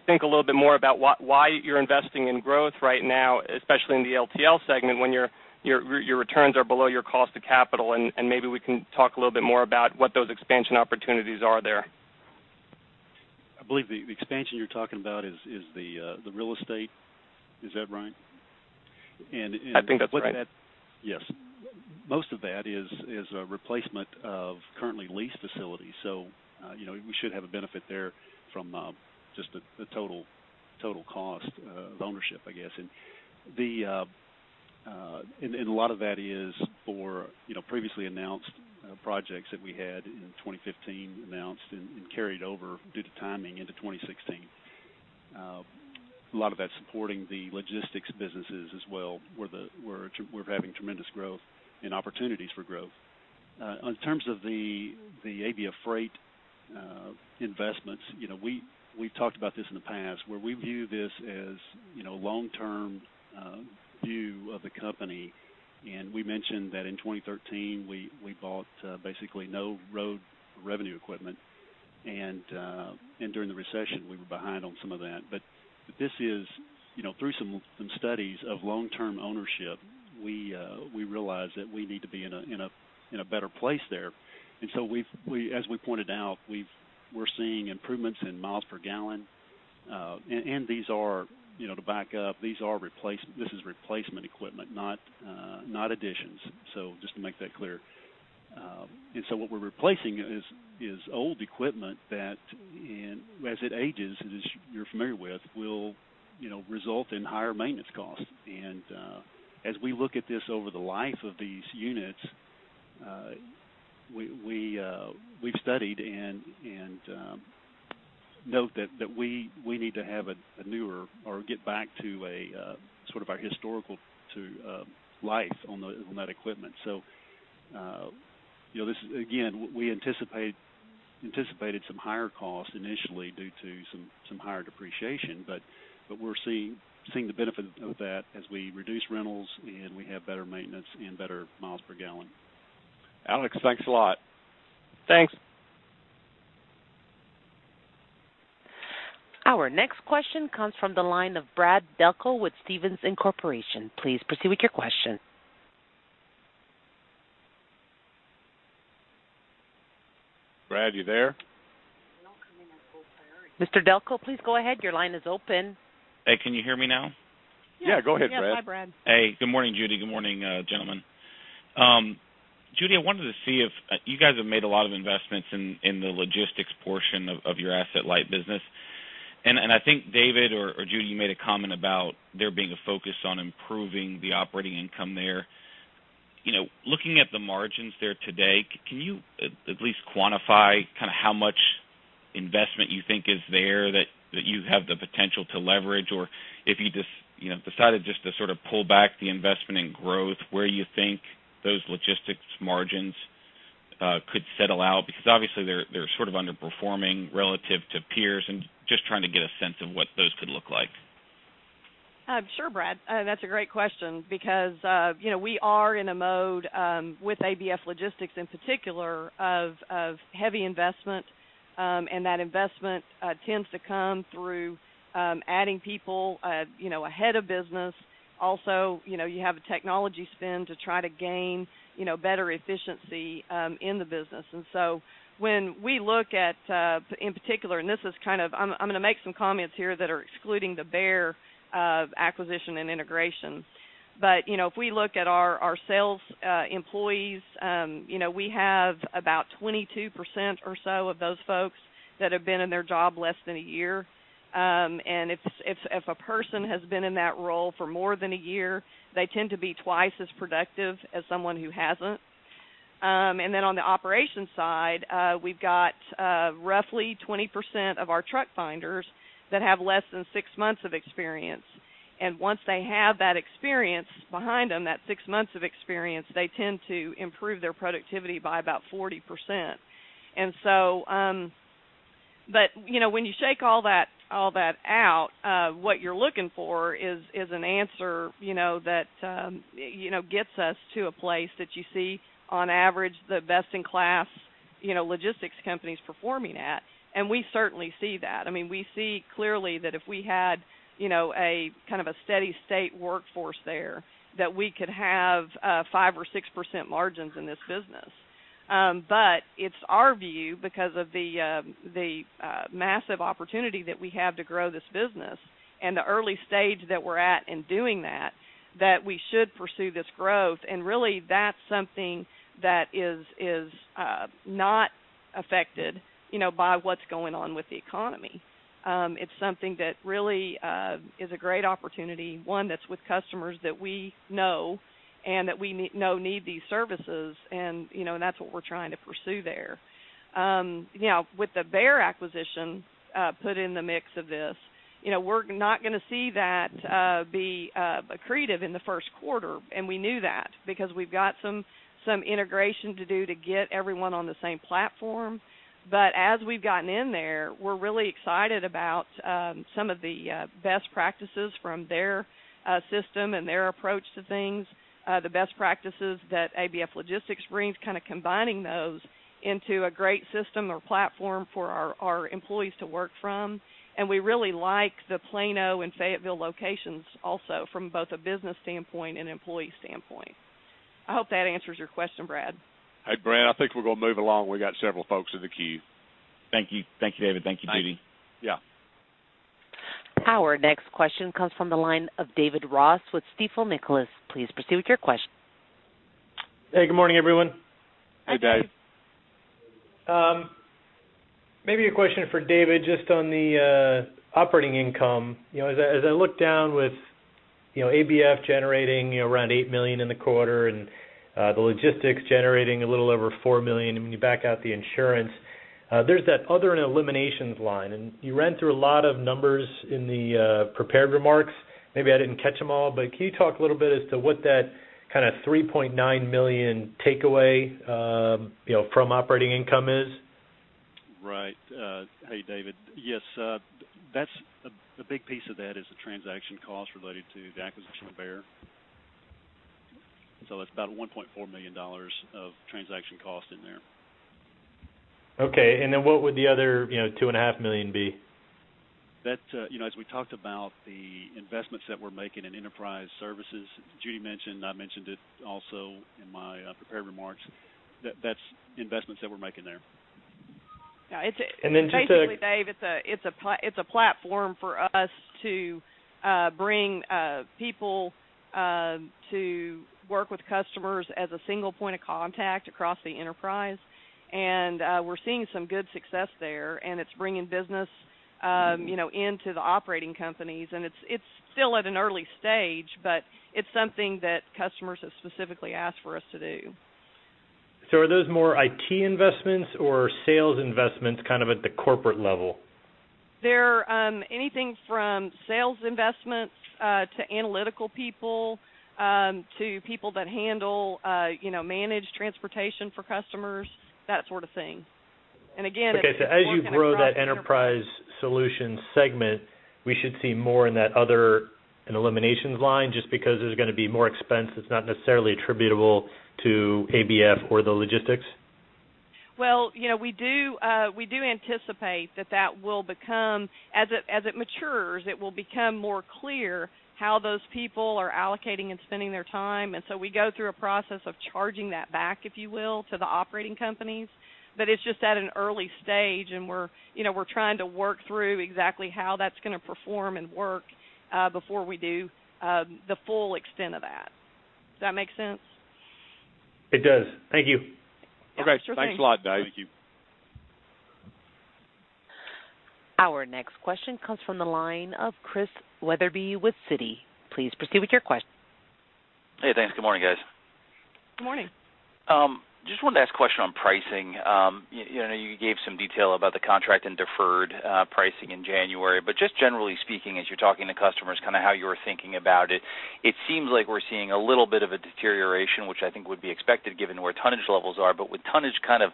think a little bit more about why you're investing in growth right now, especially in the LTL segment, when your returns are below your cost to capital, and maybe we can talk a little bit more about what those expansion opportunities are there. I believe the expansion you're talking about is the real estate. Is that right? I think that's right. Yes. Most of that is a replacement of currently leased facilities. So, you know, we should have a benefit there from just the total cost of ownership, I guess. And a lot of that is for, you know, previously announced projects that we had in 2015 announced and carried over due to timing into 2016. A lot of that supporting the logistics businesses as well, where we're having tremendous growth and opportunities for growth. In terms of the ABF Freight investments, you know, we've talked about this in the past, where we view this as a long-term view of the company. We mentioned that in 2013, we bought basically no road revenue equipment, and during the recession, we were behind on some of that. But this is, you know, through some studies of long-term ownership, we realized that we need to be in a better place there. So we've, as we pointed out, we're seeing improvements in miles per gallon. And these are, you know, to back up, this is replacement equipment, not additions. So just to make that clear. So what we're replacing is old equipment that and as it ages, as you're familiar with, will, you know, result in higher maintenance costs. As we look at this over the life of these units, we've studied and note that we need to have a newer or get back to a sort of our historical to life on that equipment. So, you know, this is, again, we anticipate. anticipated some higher costs initially due to some higher depreciation, but we're seeing the benefit of that as we reduce rentals, and we have better maintenance and better miles per gallon. Alex, thanks a lot. Thanks. Our next question comes from the line of Brad Delco with Stephens Inc. Please proceed with your question. Brad, you there? Mr. Delco, please go ahead. Your line is open. Hey, can you hear me now? Yeah, go ahead, Brad. Yeah. Hi, Brad. Hey, good morning, Judy. Good morning, gentlemen. Judy, I wanted to see if you guys have made a lot of investments in the logistics portion of your asset-light business. And I think David or Judy, you made a comment about there being a focus on improving the operating income there. You know, looking at the margins there today, can you at least quantify kind of how much investment you think is there that you have the potential to leverage? Or if you just, you know, decided just to sort of pull back the investment in growth, where you think those logistics margins could settle out? Because obviously they're sort of underperforming relative to peers and just trying to get a sense of what those could look like. Sure, Brad, that's a great question, because, you know, we are in a mode with ABF Logistics in particular of heavy investment, and that investment tends to come through adding people, you know, ahead of business. Also, you know, you have a technology spin to try to gain, you know, better efficiency in the business. And so when we look at, in particular, and this is kind of, I'm gonna make some comments here that are excluding the Bear acquisition and integration. But, you know, if we look at our sales employees, you know, we have about 22% or so of those folks that have been in their job less than a year. And if a person has been in that role for more than a year, they tend to be twice as productive as someone who hasn't. And then on the operations side, we've got roughly 20% of our truck finders that have less than six months of experience. And once they have that experience behind them, that six months of experience, they tend to improve their productivity by about 40%. And so, but, you know, when you shake all that, all that out, what you're looking for is an answer, you know, that, you know, gets us to a place that you see on average, the best-in-class, you know, logistics companies performing at. And we certainly see that. I mean, we see clearly that if we had, you know, a kind of a steady state workforce there, that we could have 5%-6% margins in this business. But it's our view, because of the massive opportunity that we have to grow this business and the early stage that we're at in doing that, that we should pursue this growth. And really, that's something that is not affected, you know, by what's going on with the economy. It's something that really is a great opportunity, one that's with customers that we know and that we know need these services, and, you know, that's what we're trying to pursue there. Now, with the Bear acquisition put in the mix of this, you know, we're not gonna see that be accretive in the first quarter, and we knew that because we've got some integration to do to get everyone on the same platform. But as we've gotten in there, we're really excited about some of the best practices from their system and their approach to things, the best practices that ABF Logistics brings, kind of combining those into a great system or platform for our employees to work from. And we really like the Plano and Fayetteville locations also from both a business standpoint and employee standpoint. I hope that answers your question, Brad. Hey, Brad, I think we're gonna move along. We got several folks in the queue. Thank you. Thank you, David. Thank you, Judy. Yeah. Our next question comes from the line of David Ross with Stifel Nicolaus. Please proceed with your question. Hey, good morning, everyone. Hey, Dave. Maybe a question for David, just on the operating income. You know, as I, as I look down with, you know, ABF generating around $8 million in the quarter and the logistics generating a little over $4 million, and when you back out the insurance, there's that other and eliminations line, and you ran through a lot of numbers in the prepared remarks. Maybe I didn't catch them all, but can you talk a little bit as to what that kind of $3.9 million takeaway, you know, from operating income is? Right. Hey, David. Yes, that's a big piece of that is the transaction cost related to the acquisition of Bear. So that's about $1.4 million of transaction cost in there. Okay, and then what would the other, you know, $2.5 million be? That's, you know, as we talked about the investments that we're making in enterprise services, Judy mentioned, I mentioned it also in my prepared remarks, that that's investments that we're making there. Yeah, it's- And then just to- Basically, Dave, it's a platform for us to bring people to work with customers as a single point of contact across the enterprise. And we're seeing some good success there, and it's bringing business, you know, into the operating companies. And it's still at an early stage, but it's something that customers have specifically asked for us to do. Are those more IT investments or sales investments, kind of at the corporate level? They're anything from sales investments to analytical people to people that handle, you know, managed transportation for customers, that sort of thing. And again, it's working across the enterprise. Okay, so as you grow that enterprise solutions segment, we should see more in that other, in eliminations line, just because there's gonna be more expense that's not necessarily attributable to ABF or the logistics? Well, you know, we do, we do anticipate that that will become. As it, as it matures, it will become more clear how those people are allocating and spending their time. And so we go through a process of charging that back, if you will, to the operating companies. But it's just at an early stage, and we're, you know, we're trying to work through exactly how that's gonna perform and work, before we do, the full extent of that. Does that make sense? It does. Thank you. Yeah, sure thing. Okay. Thanks a lot, Dave. Thank you. Our next question comes from the line of Chris Wetherbee with Citi. Please proceed with your question. Hey, thanks. Good morning, guys. Good morning. Just wanted to ask a question on pricing. You know, you gave some detail about the contract and deferred pricing in January. But just generally speaking, as you're talking to customers, kind of how you were thinking about it, it seems like we're seeing a little bit of a deterioration, which I think would be expected, given where tonnage levels are. But with tonnage kind of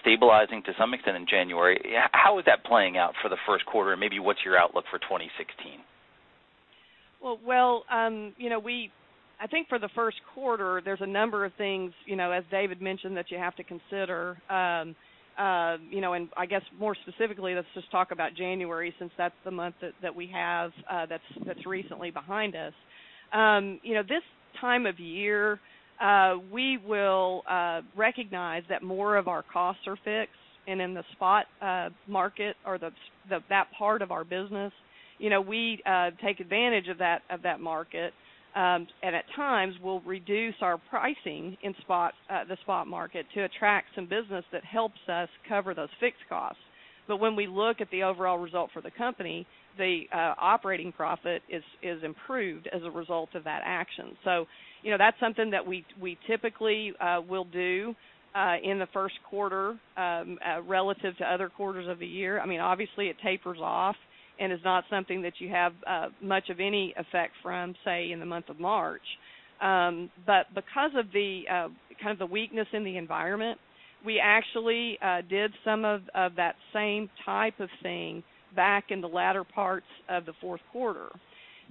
stabilizing to some extent in January, how is that playing out for the first quarter? And maybe what's your outlook for 2016? Well, well, you know, I think for the first quarter, there's a number of things, you know, as David mentioned, that you have to consider. You know, and I guess more specifically, let's just talk about January, since that's the month that we have that's recently behind us. You know, this time of year, we will recognize that more of our costs are fixed and in the spot market or that part of our business. You know, we take advantage of that, of that market, and at times we'll reduce our pricing in spot the spot market to attract some business that helps us cover those fixed costs. But when we look at the overall result for the company, the operating profit is improved as a result of that action. So, you know, that's something that we, we typically will do in the first quarter relative to other quarters of the year. I mean, obviously, it tapers off and is not something that you have much of any effect from, say, in the month of March. But because of the kind of the weakness in the environment, we actually did some of, of that same type of thing back in the latter parts of the fourth quarter.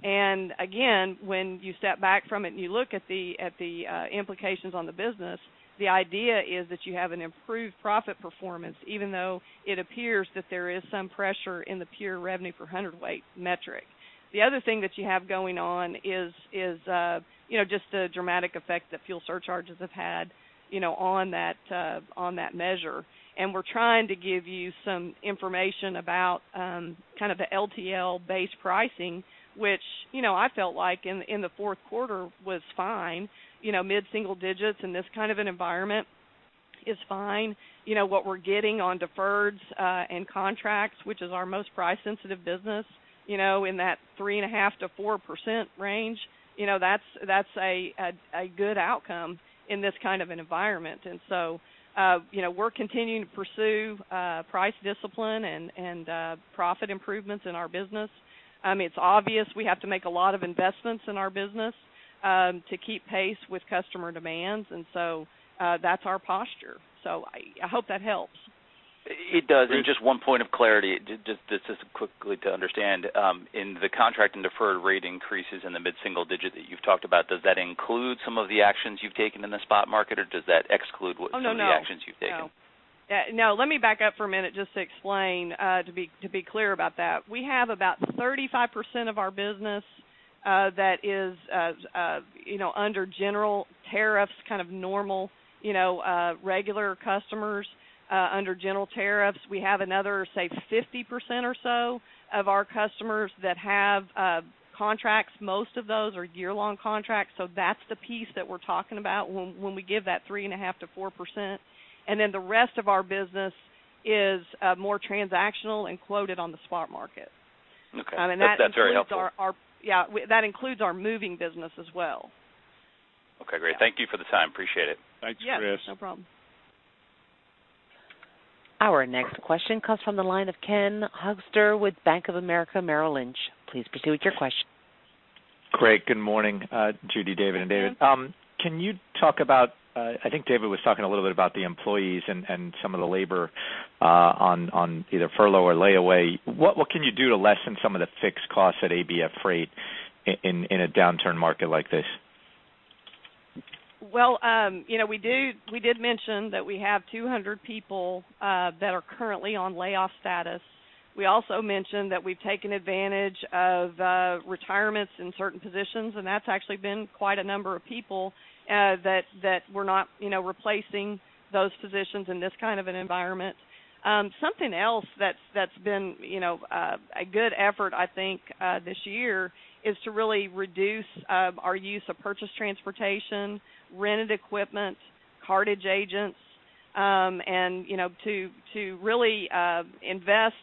And again, when you step back from it and you look at the, at the implications on the business, the idea is that you have an improved profit performance, even though it appears that there is some pressure in the pure revenue per hundredweight metric. The other thing that you have going on is you know, just the dramatic effect that fuel surcharges have had, you know, on that, on that measure. And we're trying to give you some information about kind of the LTL base pricing, which, you know, I felt like in the fourth quarter was fine. You know, mid-single digits in this kind of an environment is fine. You know, what we're getting on deferreds and contracts, which is our most price-sensitive business, you know, in that 3.5%-4% range, you know, that's a good outcome in this kind of an environment. And so, you know, we're continuing to pursue price discipline and profit improvements in our business. I mean, it's obvious we have to make a lot of investments in our business, to keep pace with customer demands, and so, that's our posture. I hope that helps. It does. And just one point of clarity, just quickly to understand, in the contract and deferred rate increases in the mid-single digit that you've talked about, does that include some of the actions you've taken in the spot market, or does that exclude what- Oh, no, no.... Some of the actions you've taken? No. No, let me back up for a minute just to explain to be clear about that. We have about 35% of our business that is you know under general tariffs, kind of normal you know regular customers under general tariffs. We have another say 50% or so of our customers that have contracts. Most of those are year-long contracts, so that's the piece that we're talking about when we give that 3.5%-4%, and then the rest of our business is more transactional and quoted on the spot market. Okay, that's very helpful. Yeah, that includes our moving business as well. Okay, great. Thank you for the time. Appreciate it. Thanks, Chris. Yeah, no problem. Our next question comes from the line of Ken Hoexter with Bank of America Merrill Lynch. Please proceed with your question. Craig, good morning. Judy, David and David. Hi, Ken. Can you talk about, I think David was talking a little bit about the employees and some of the labor on either furlough or layoff. What can you do to lessen some of the fixed costs at ABF Freight in a downturn market like this? Well, you know, we did mention that we have 200 people that are currently on layoff status. We also mentioned that we've taken advantage of retirements in certain positions, and that's actually been quite a number of people that we're not, you know, replacing those positions in this kind of an environment. Something else that's been, you know, a good effort, I think, this year, is to really reduce our use of purchased transportation, rented equipment, cartage agents, and, you know, to really invest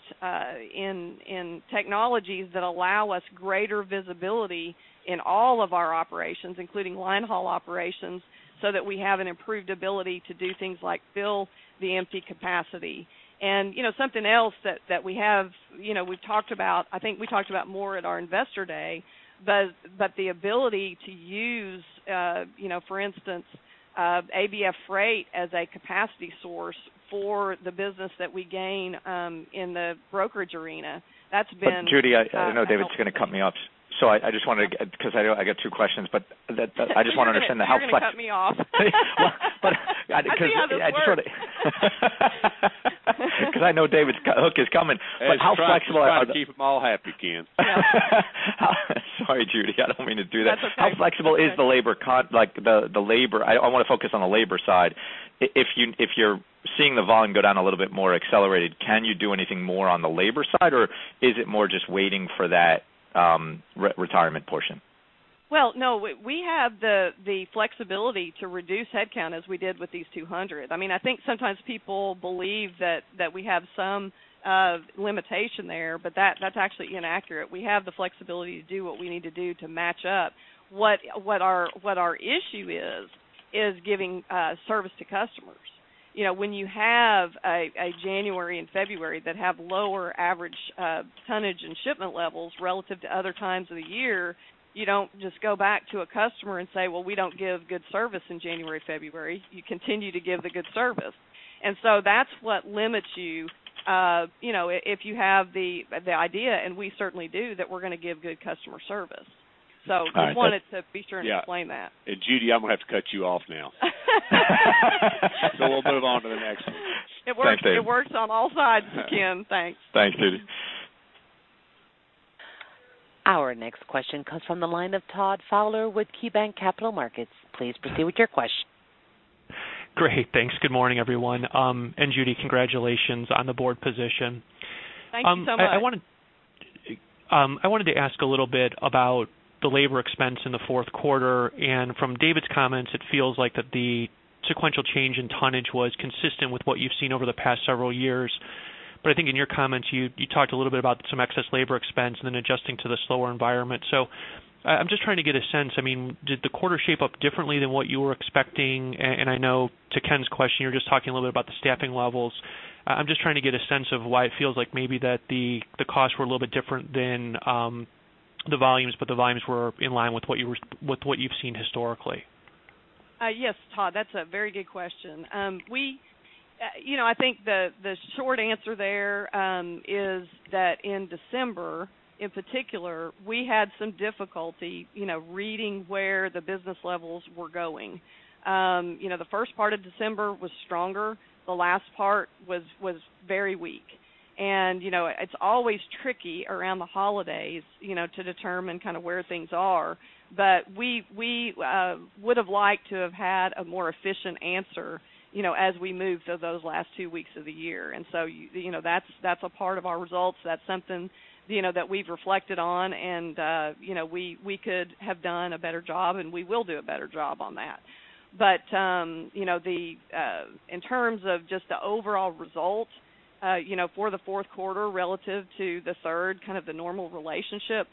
in technologies that allow us greater visibility in all of our operations, including line haul operations, so that we have an improved ability to do things like fill the empty capacity. And, you know, something else that, that we have, you know, we talked about, I think we talked about more at our Investor Day, but, but the ability to use, you know, for instance, ABF Freight as a capacity source for the business that we gain, in the brokerage arena, that's been. Judy, I know David's gonna cut me off, so I just wanted to, 'cause I know I got two questions, I just want to understand how- You're gonna cut me off. Well, but 'cause I know David's hook is coming. But how flexible- Try to keep them all happy, Ken. Sorry, Judy. I don't mean to do that. That's okay. How flexible is the labor cost, like, the labor side? I want to focus on the labor side. If you're seeing the volume go down a little bit more accelerated, can you do anything more on the labor side, or is it more just waiting for that retirement portion? Well, no, we have the flexibility to reduce headcount as we did with these 200. I mean, I think sometimes people believe that we have some limitation there, but that's actually inaccurate. We have the flexibility to do what we need to do to match up. What our issue is is giving service to customers. You know, when you have a January and February that have lower average tonnage and shipment levels relative to other times of the year, you don't just go back to a customer and say, "Well, we don't give good service in January, February." You continue to give the good service. And so that's what limits you, you know, if you have the idea, and we certainly do, that we're gonna give good customer service. All right, but- Just wanted to be sure and explain that. Yeah. Judy, I'm gonna have to cut you off now. We'll move on to the next one. Thanks, David. It works, it works on all sides, Ken. Thanks. Thanks, Judy. Our next question comes from the line of Todd Fowler with KeyBank Capital Markets. Please proceed with your question. Great, thanks. Good morning, everyone. And Judy, congratulations on the board position. Thank you so much. I wanted to ask a little bit about the labor expense in the fourth quarter, and from David's comments, it feels like that the sequential change in tonnage was consistent with what you've seen over the past several years. But I think in your comments, you talked a little bit about some excess labor expense and then adjusting to the slower environment. So I'm just trying to get a sense, I mean, did the quarter shape up differently than what you were expecting? And I know to Ken's question, you're just talking a little bit about the staffing levels. I'm just trying to get a sense of why it feels like maybe that the costs were a little bit different than the volumes, but the volumes were in line with what you were, with what you've seen historically. Yes, Todd, that's a very good question. We, you know, I think the short answer there is that in December, in particular, we had some difficulty, you know, reading where the business levels were going. You know, the first part of December was stronger. The last part was very weak. You know, it's always tricky around the holidays, you know, to determine kind of where things are. But we would have liked to have had a more efficient answer, you know, as we moved through those last two weeks of the year. So, you know, that's a part of our results. That's something, you know, that we've reflected on, and you know, we could have done a better job, and we will do a better job on that. But, you know, the, in terms of just the overall result, you know, for the fourth quarter relative to the third, kind of the normal relationship,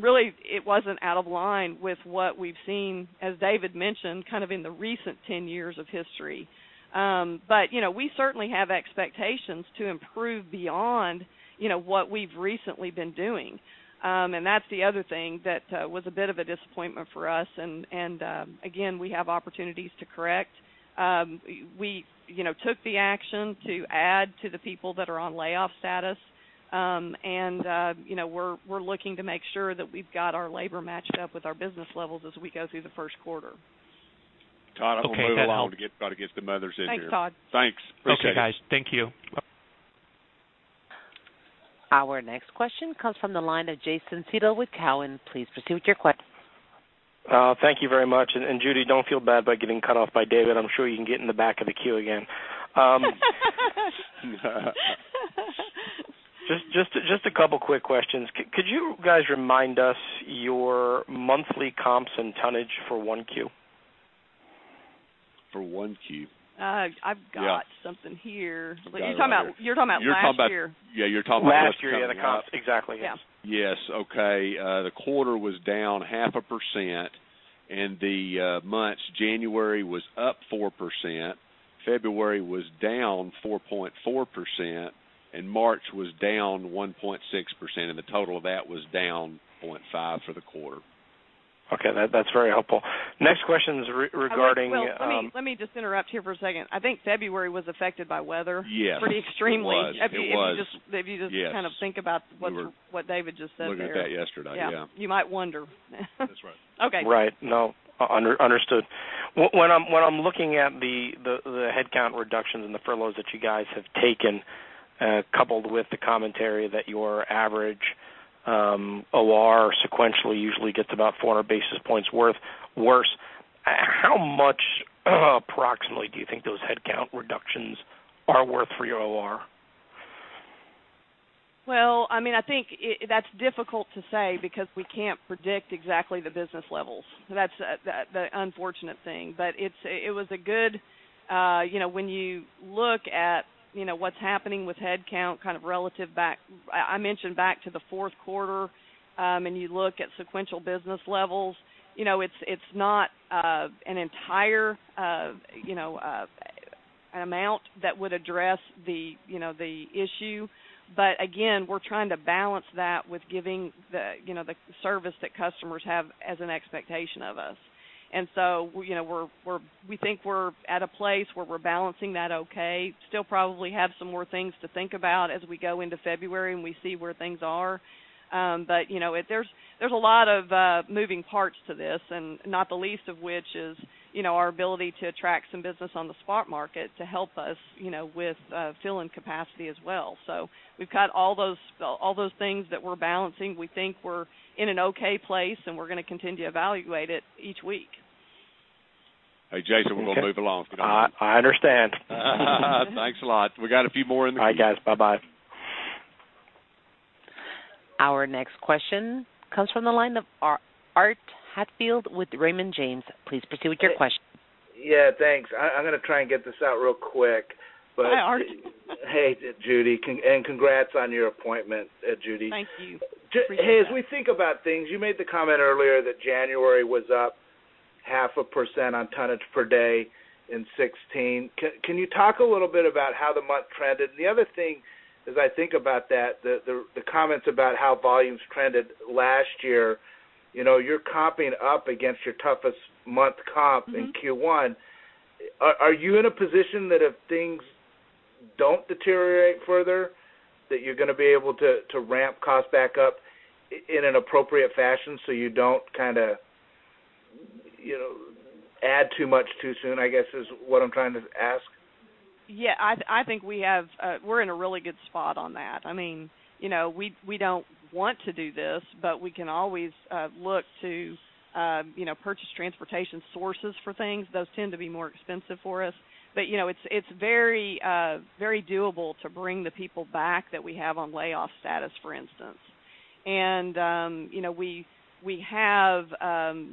really, it wasn't out of line with what we've seen, as David mentioned, kind of in the recent 10 years of history. But, you know, we certainly have expectations to improve beyond, you know, what we've recently been doing. And that's the other thing that, was a bit of a disappointment for us, and, again, we have opportunities to correct. We, you know, took the action to add to the people that are on layoff status. And, you know, we're looking to make sure that we've got our labor matched up with our business levels as we go through the first quarter. Todd, I'm gonna move along, try to get some others in here. Thanks, Todd. Thanks. Okay. Okay, guys. Thank you. Our next question comes from the line of Jason Seidl with Cowen. Please proceed with your question. Thank you very much. And, Judy, don't feel bad about getting cut off by David. I'm sure you can get in the back of the queue again. So just a couple quick questions. Could you guys remind us your monthly comps and tonnage for 1Q? For 1Q? I've got something here. You're talking about, you're talking about last year. You're talking about. Yeah, you're talking about last year. Last year, the comps. Exactly, yes. Yeah. Yes. Okay. The quarter was down 0.5%, and the months, January was up 4%, February was down 4.4%, and March was down 1.6%, and the total of that was down 0.5% for the quarter. Okay, that's very helpful. Next question is regarding. Well, let me just interrupt here for a second. I think February was affected by weather- Yes. - pretty extremely. It was, it was. If you just- Yes. - Kind of think about what David just said there. Looked at that yesterday, yeah. You might wonder. That's right. Okay. Right. No, understood. When I'm looking at the headcount reductions and the furloughs that you guys have taken, coupled with the commentary that your average OR sequentially usually gets about 400 basis points worth worse, how much, approximately, do you think those headcount reductions are worth for your OR? Well, I mean, I think it. That's difficult to say because we can't predict exactly the business levels. That's the unfortunate thing, but it was a good, you know, when you look at, you know, what's happening with headcount, kind of relative back, I mentioned back to the fourth quarter, and you look at sequential business levels, you know, it's not an entire, you know, amount that would address the, you know, the issue. But again, we're trying to balance that with giving the, you know, the service that customers have as an expectation of us. And so, you know, we're- we think we're at a place where we're balancing that okay. Still probably have some more things to think about as we go into February, and we see where things are. But, you know. There's a lot of moving parts to this, and not the least of which is, you know, our ability to attract some business on the spot market to help us, you know, with fill in capacity as well. So we've got all those things that we're balancing. We think we're in an okay place, and we're going to continue to evaluate it each week. Hey, Jason, we're gonna move along. I understand. Thanks a lot. We got a few more in the queue. All right, guys. Bye-bye. Our next question comes from the line of Art Hatfield with Raymond James. Please proceed with your question. Yeah, thanks. I'm gonna try and get this out real quick, but- Hi, Art. Hey, Judy, congrats on your appointment, Judy. Thank you. Hey, as we think about things, you made the comment earlier that January was up 0.5% on tonnage per day in 2016. Can you talk a little bit about how the month trended? The other thing, as I think about that, the comments about how volumes trended last year, you know, you're comping up against your toughest month comp in Q1. Mm-hmm. Are you in a position that if things don't deteriorate further, that you're gonna be able to ramp costs back up in an appropriate fashion so you don't kinda, you know, add too much too soon? I guess is what I'm trying to ask? Yeah, I think we have. We're in a really good spot on that. I mean, you know, we don't want to do this, but we can always look to, you know, purchased transportation sources for things. Those tend to be more expensive for us. But, you know, it's very very doable to bring the people back that we have on layoff status, for instance. And, you know, we have,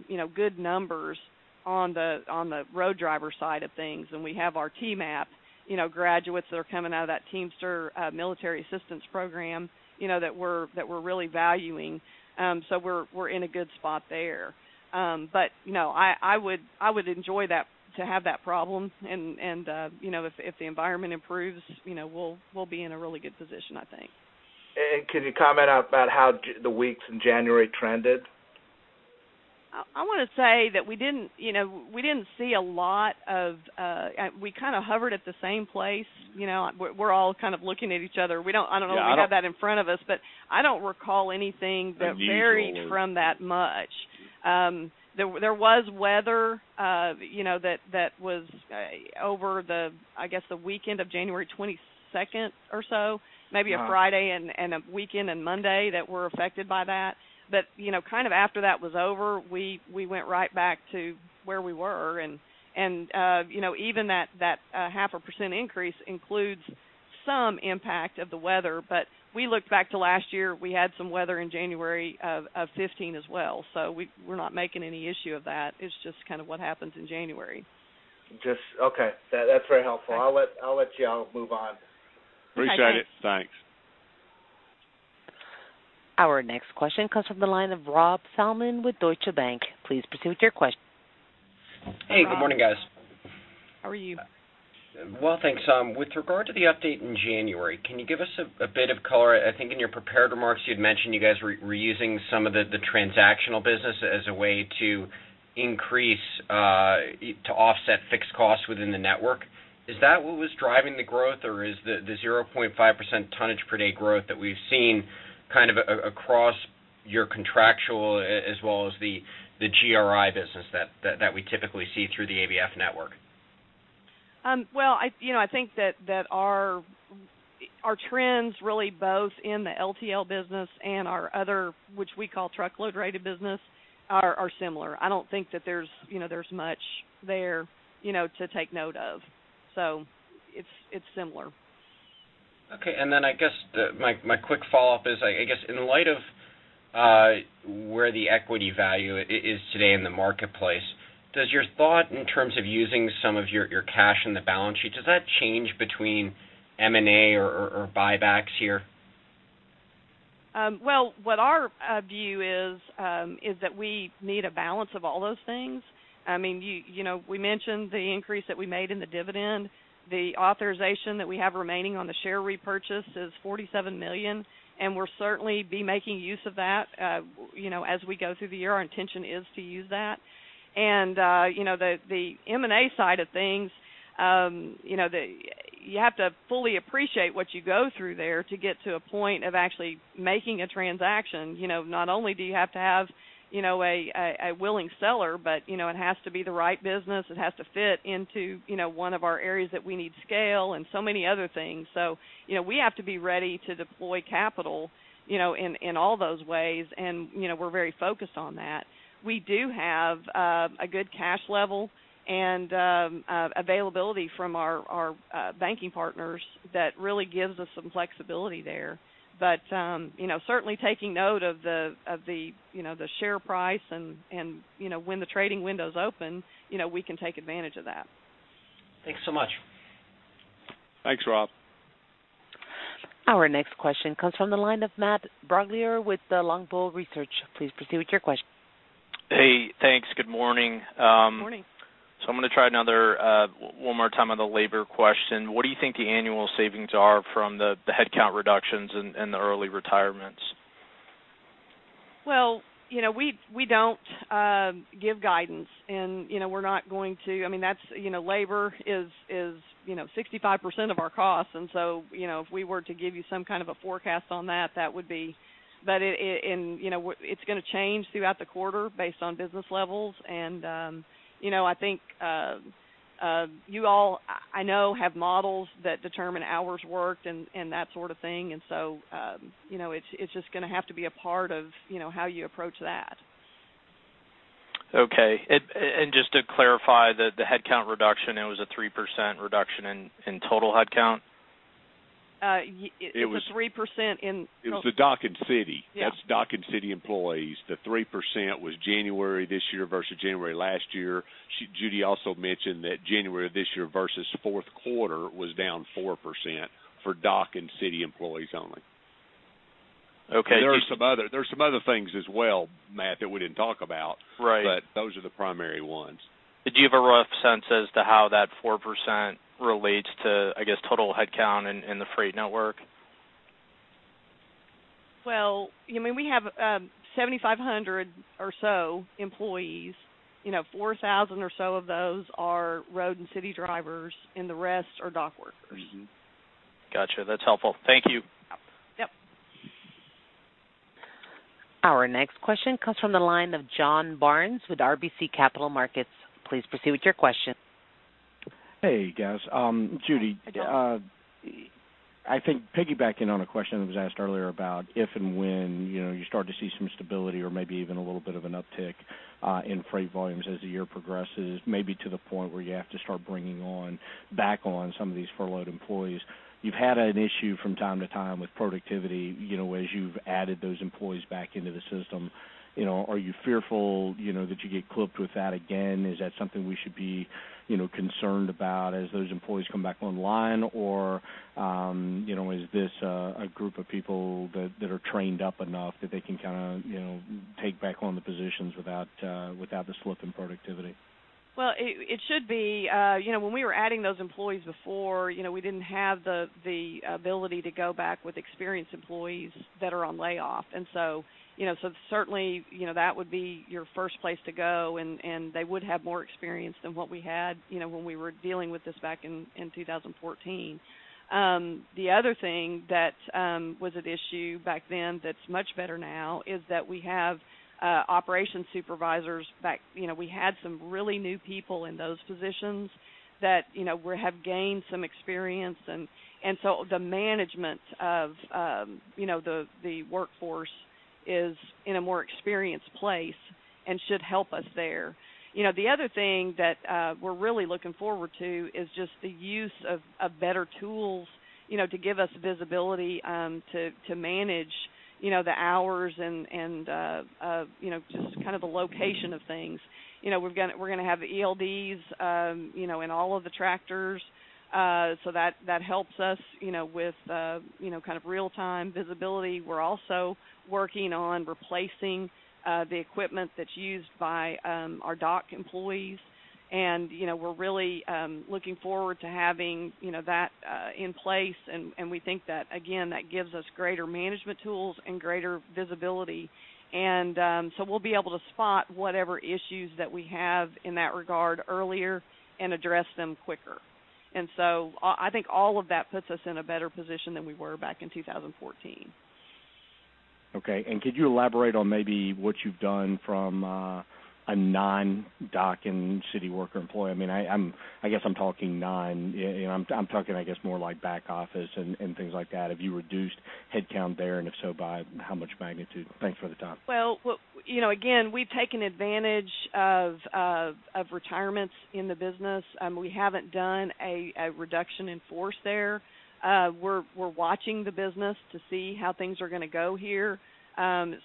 you know, good numbers on the road driver side of things, and we have our TMAP, you know, graduates that are coming out of that Teamsters Military Assistance Program, you know, that we're really valuing. So we're in a good spot there. But, you know, I would enjoy that, to have that problem and, you know, if the environment improves, you know, we'll be in a really good position, I think. Can you comment about how the weeks in January trended? I want to say that we didn't, you know, we didn't see a lot of. We kind of hovered at the same place. You know, we're all kind of looking at each other. We don't. I don't know. Yeah. We have that in front of us, but I don't recall anything that varied from that much. Unusual. There was weather, you know, that was over the, I guess, the weekend of January 22nd or so, maybe a Friday and a weekend and Monday that were affected by that. But, you know, kind of after that was over, we went right back to where we were. You know, even that 0.5% increase includes some impact of the weather. But we look back to last year, we had some weather in January of 2015 as well, so we're not making any issue of that. It's just kind of what happens in January. Just. Okay. That, that's very helpful. Thanks. I'll let y'all move on. Okay. Appreciate it. Thanks. Our next question comes from the line of Rob Salmon with Deutsche Bank. Please proceed with your question. Hey, good morning, guys. How are you? Well, thanks. With regard to the update in January, can you give us a bit of color? I think in your prepared remarks, you had mentioned you guys were using some of the transactional business as a way to increase to offset fixed costs within the network. Is that what was driving the growth, or is the 0.5% tonnage per day growth that we've seen kind of across your contractual as well as the GRI business that we typically see through the ABF network? Well, you know, I think that our trends really both in the LTL business and our other, which we call truckload rated business, are similar. I don't think that there's, you know, much there, you know, to take note of. So it's similar. Okay. And then I guess my quick follow-up is, I guess in light of where the equity value is today in the marketplace, does your thought in terms of using some of your cash in the balance sheet change between M&A or buybacks here? Well, what our view is, is that we need a balance of all those things. I mean, you know, we mentioned the increase that we made in the dividend. The authorization that we have remaining on the share repurchase is $47 million, and we'll certainly be making use of that, you know, as we go through the year, our intention is to use that. You know, the M&A side of things, you know, you have to fully appreciate what you go through there to get to a point of actually making a transaction. You know, not only do you have to have, you know, a willing seller, but, you know, it has to be the right business. It has to fit into, you know, one of our areas that we need scale and so many other things. So, you know, we have to be ready to deploy capital, you know, in all those ways, and, you know, we're very focused on that. We do have a good cash level and availability from our banking partners that really gives us some flexibility there. But, you know, certainly taking note of the you know, the share price and, you know, when the trading window's open, you know, we can take advantage of that. Thanks so much. Thanks, Rob. Our next question comes from the line of Matt Brooklier with Longbow Research. Please proceed with your question. Hey, thanks. Good morning. Good morning. So I'm gonna try another one more time on the labor question. What do you think the annual savings are from the headcount reductions and the early retirements? Well, you know, we don't give guidance, and, you know, we're not going to. I mean, that's, you know, labor is you know, 65% of our costs, and so, you know, if we were to give you some kind of a forecast on that, that would be. But it and, you know, it's gonna change throughout the quarter based on business levels. And, you know, I think you all, I know, have models that determine hours worked and that sort of thing. And so, you know, it's just gonna have to be a part of, you know, how you approach that. Okay. And just to clarify, the headcount reduction, it was a 3% reduction in total headcount? Uh, y- It was- It was 3% in- It was the dock and city. Yeah. That's dock and city employees. The 3% was January this year versus January last year. Judy also mentioned that January this year versus fourth quarter was down 4% for dock and city employees only. Okay. There are some other things as well, Matt, that we didn't talk about. Right. But those are the primary ones. Do you have a rough sense as to how that 4% relates to, I guess, total headcount in, in the freight network? Well, I mean, we have 7,500 or so employees. You know, 4,000 or so of those are road and city drivers, and the rest are dock workers. Mm-hmm. Gotcha. That's helpful. Thank you. Yep. Our next question comes from the line of John Barnes with RBC Capital Markets. Please proceed with your question. Hey, guys. Judy, I think piggybacking on a question that was asked earlier about if and when, you know, you start to see some stability or maybe even a little bit of an uptick in freight volumes as the year progresses, maybe to the point where you have to start bringing back on some of these furloughed employees. You've had an issue from time to time with productivity, you know, as you've added those employees back into the system. You know, are you fearful, you know, that you get clipped with that again? Is that something we should be, you know, concerned about as those employees come back online? Or, you know, is this a group of people that are trained up enough that they can kind of, you know, take back on the positions without the slip in productivity? Well, it should be. You know, when we were adding those employees before, you know, we didn't have the ability to go back with experienced employees that are on layoff. And so, you know, so certainly, you know, that would be your first place to go, and they would have more experience than what we had, you know, when we were dealing with this back in 2014. The other thing that was an issue back then that's much better now is that we have operations supervisors back. You know, we had some really new people in those positions that, you know, we have gained some experience, and so the management of, you know, the workforce is in a more experienced place and should help us there. You know, the other thing that we're really looking forward to is just the use of better tools, you know, to give us visibility to manage, you know, the hours and you know, just kind of the location of things. You know, we're gonna have ELDs, you know, in all of the tractors. So that helps us, you know, with you know, kind of real-time visibility. We're also working on replacing the equipment that's used by our dock employees, and, you know, we're really looking forward to having, you know, that in place, and we think that, again, that gives us greater management tools and greater visibility. So we'll be able to spot whatever issues that we have in that regard earlier and address them quicker. And so I, I think all of that puts us in a better position than we were back in 2014. Okay, and could you elaborate on maybe what you've done from a non-dock and city worker employee? I mean, I'm talking, I guess, more like back office and things like that. Have you reduced headcount there? And if so, by how much magnitude? Thanks for the time. Well, you know, again, we've taken advantage of retirements in the business. We haven't done a reduction in force there. We're watching the business to see how things are gonna go here.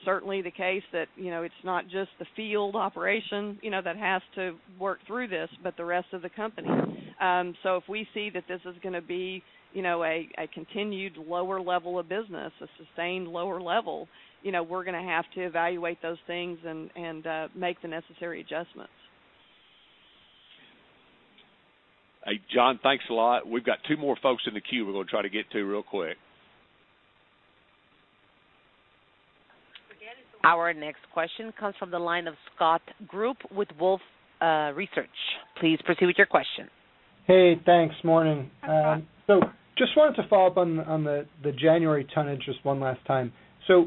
Certainly the case that, you know, it's not just the field operation, you know, that has to work through this, but the rest of the company. So if we see that this is gonna be, you know, a continued lower level of business, a sustained lower level, you know, we're gonna have to evaluate those things and make the necessary adjustments. Hey, John, thanks a lot. We've got two more folks in the queue we're gonna try to get to real quick. Our next question comes from the line of Scott Group with Wolfe Research. Please proceed with your question. Hey, thanks. Morning. So just wanted to follow up on the January tonnage just one last time. So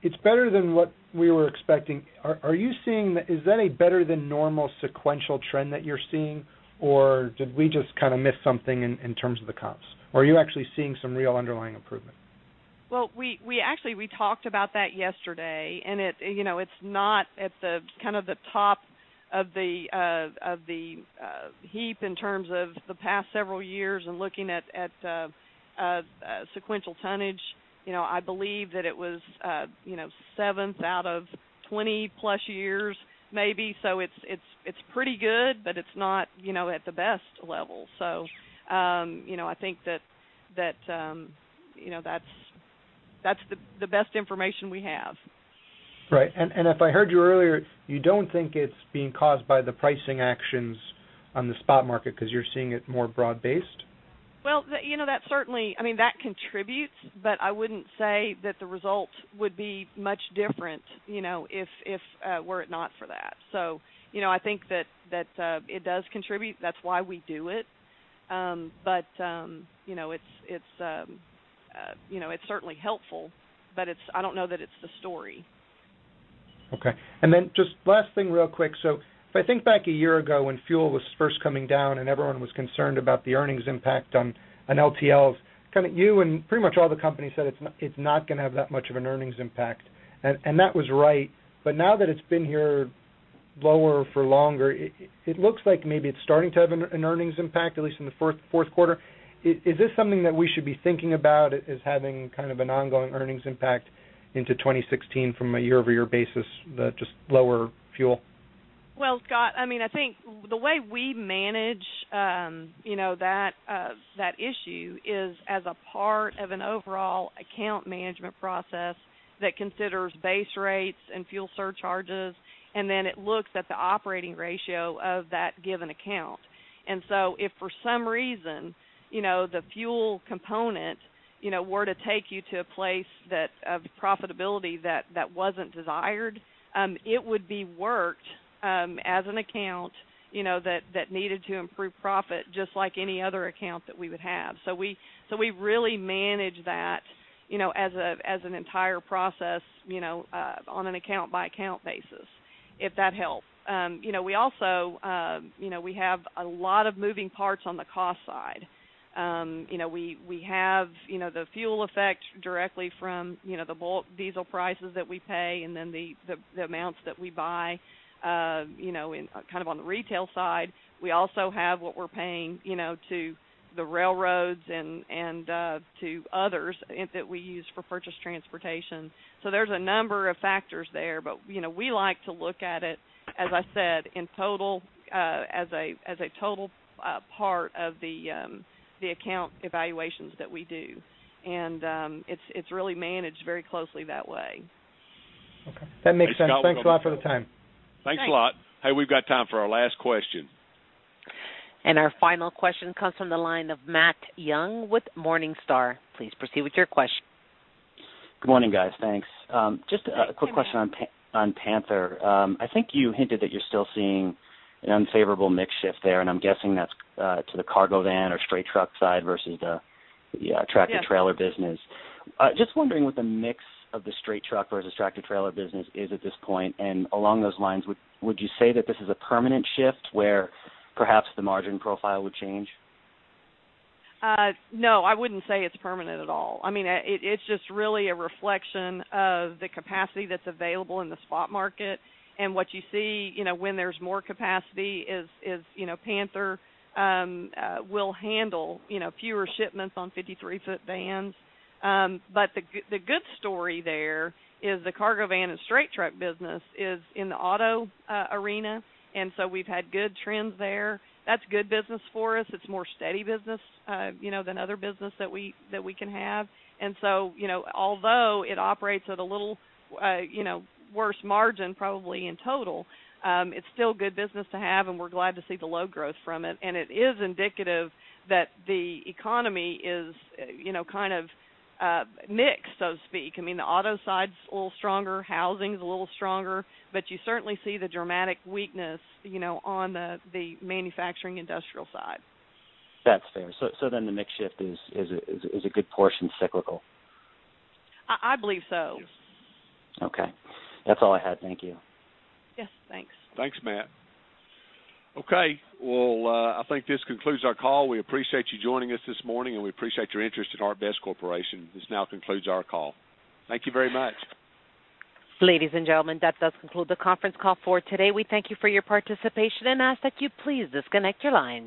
it's better than what we were expecti ng. Are you seeing, is that a better than normal sequential trend that you're seeing, or did we just kind of miss something in terms of the comps? Or are you actually seeing some real underlying improvement? Well, we actually talked about that yesterday, and it, you know, it's not at the kind of top of the heap in terms of the past several years and looking at sequential tonnage. You know, I believe that it was, you know, seventh out of 20+ years maybe. So it's pretty good, but it's not, you know, at the best level. So, you know, I think that, you know, that's the best information we have. Right. And if I heard you earlier, you don't think it's being caused by the pricing actions on the spot market because you're seeing it more broad-based? Well, you know, that certainly. I mean, that contributes, but I wouldn't say that the result would be much different, you know, if it were not for that. So, you know, I think that it does contribute. That's why we do it. But, you know, it's certainly helpful, but I don't know that it's the story. Okay. And then just last thing, real quick. So if I think back a year ago when fuel was first coming down and everyone was concerned about the earnings impact on LTL, kind of you and pretty much all the companies said it's not gonna have that much of an earnings impact, and that was right. But now that it's been here lower for longer, it looks like maybe it's starting to have an earnings impact, at least in the first fourth quarter. Is this something that we should be thinking about as having kind of an ongoing earnings impact into 2016 from a year-over-year basis, the just lower fuel? Well, Scott, I mean, I think the way we manage, you know, that, that issue is as a part of an overall account management process that considers base rates and fuel surcharges, and then it looks at the operating ratio of that given account. And so if for some reason, you know, the fuel component, you know, were to take you to a place that, of profitability that, that wasn't desired, it would be worked, as an account, you know, that, that needed to improve profit, just like any other account that we would have. So we, so we really manage that, you know, as a, as an entire process, you know, on an account by account basis, if that helps. You know, we also, you know, we have a lot of moving parts on the cost side. You know, we have the fuel effect directly from the bulk diesel prices that we pay, and then the amounts that we buy, you know, in kind of on the retail side. We also have what we're paying, you know, to the railroads and to others that we use for purchase transportation. So there's a number of factors there. But, you know, we like to look at it, as I said, in total, as a total part of the account evaluations that we do. And it's really managed very closely that way. Okay, that makes sense. Thanks a lot for the time. Thanks a lot. Hey, we've got time for our last question. Our final question comes from the line of Matt Young with Morningstar. Please proceed with your question. Good morning, guys. Thanks. Just a quick question on Panther. I think you hinted that you're still seeing an unfavorable mix shift there, and I'm guessing that's to the cargo van or straight truck side versus the tractor trailer business. Yes. Just wondering what the mix of the straight truck versus tractor trailer business is at this point. And along those lines, would you say that this is a permanent shift, where perhaps the margin profile would change? No, I wouldn't say it's permanent at all. I mean, it's just really a reflection of the capacity that's available in the spot market. And what you see, you know, when there's more capacity is, you know, Panther will handle, you know, fewer shipments on 53-foot vans. But the good story there is the cargo van and straight truck business is in the auto arena, and so we've had good trends there. That's good business for us. It's more steady business, you know, than other business that we can have. And so, you know, although it operates at a little worse margin, probably in total, it's still good business to have, and we're glad to see the load growth from it. It is indicative that the economy is, you know, kind of, mixed, so to speak. I mean, the auto side's a little stronger, housing's a little stronger, but you certainly see the dramatic weakness, you know, on the manufacturing industrial side. That's fair. So then the mix shift is a good portion cyclical? I believe so. Okay. That's all I had. Thank you. Yes, thanks. Thanks, Matt. Okay, well, I think this concludes our call. We appreciate you joining us this morning, and we appreciate your interest in ArcBest Corporation. This now concludes our call. Thank you very much. Ladies and gentlemen, that does conclude the conference call for today. We thank you for your participation and ask that you please disconnect your lines.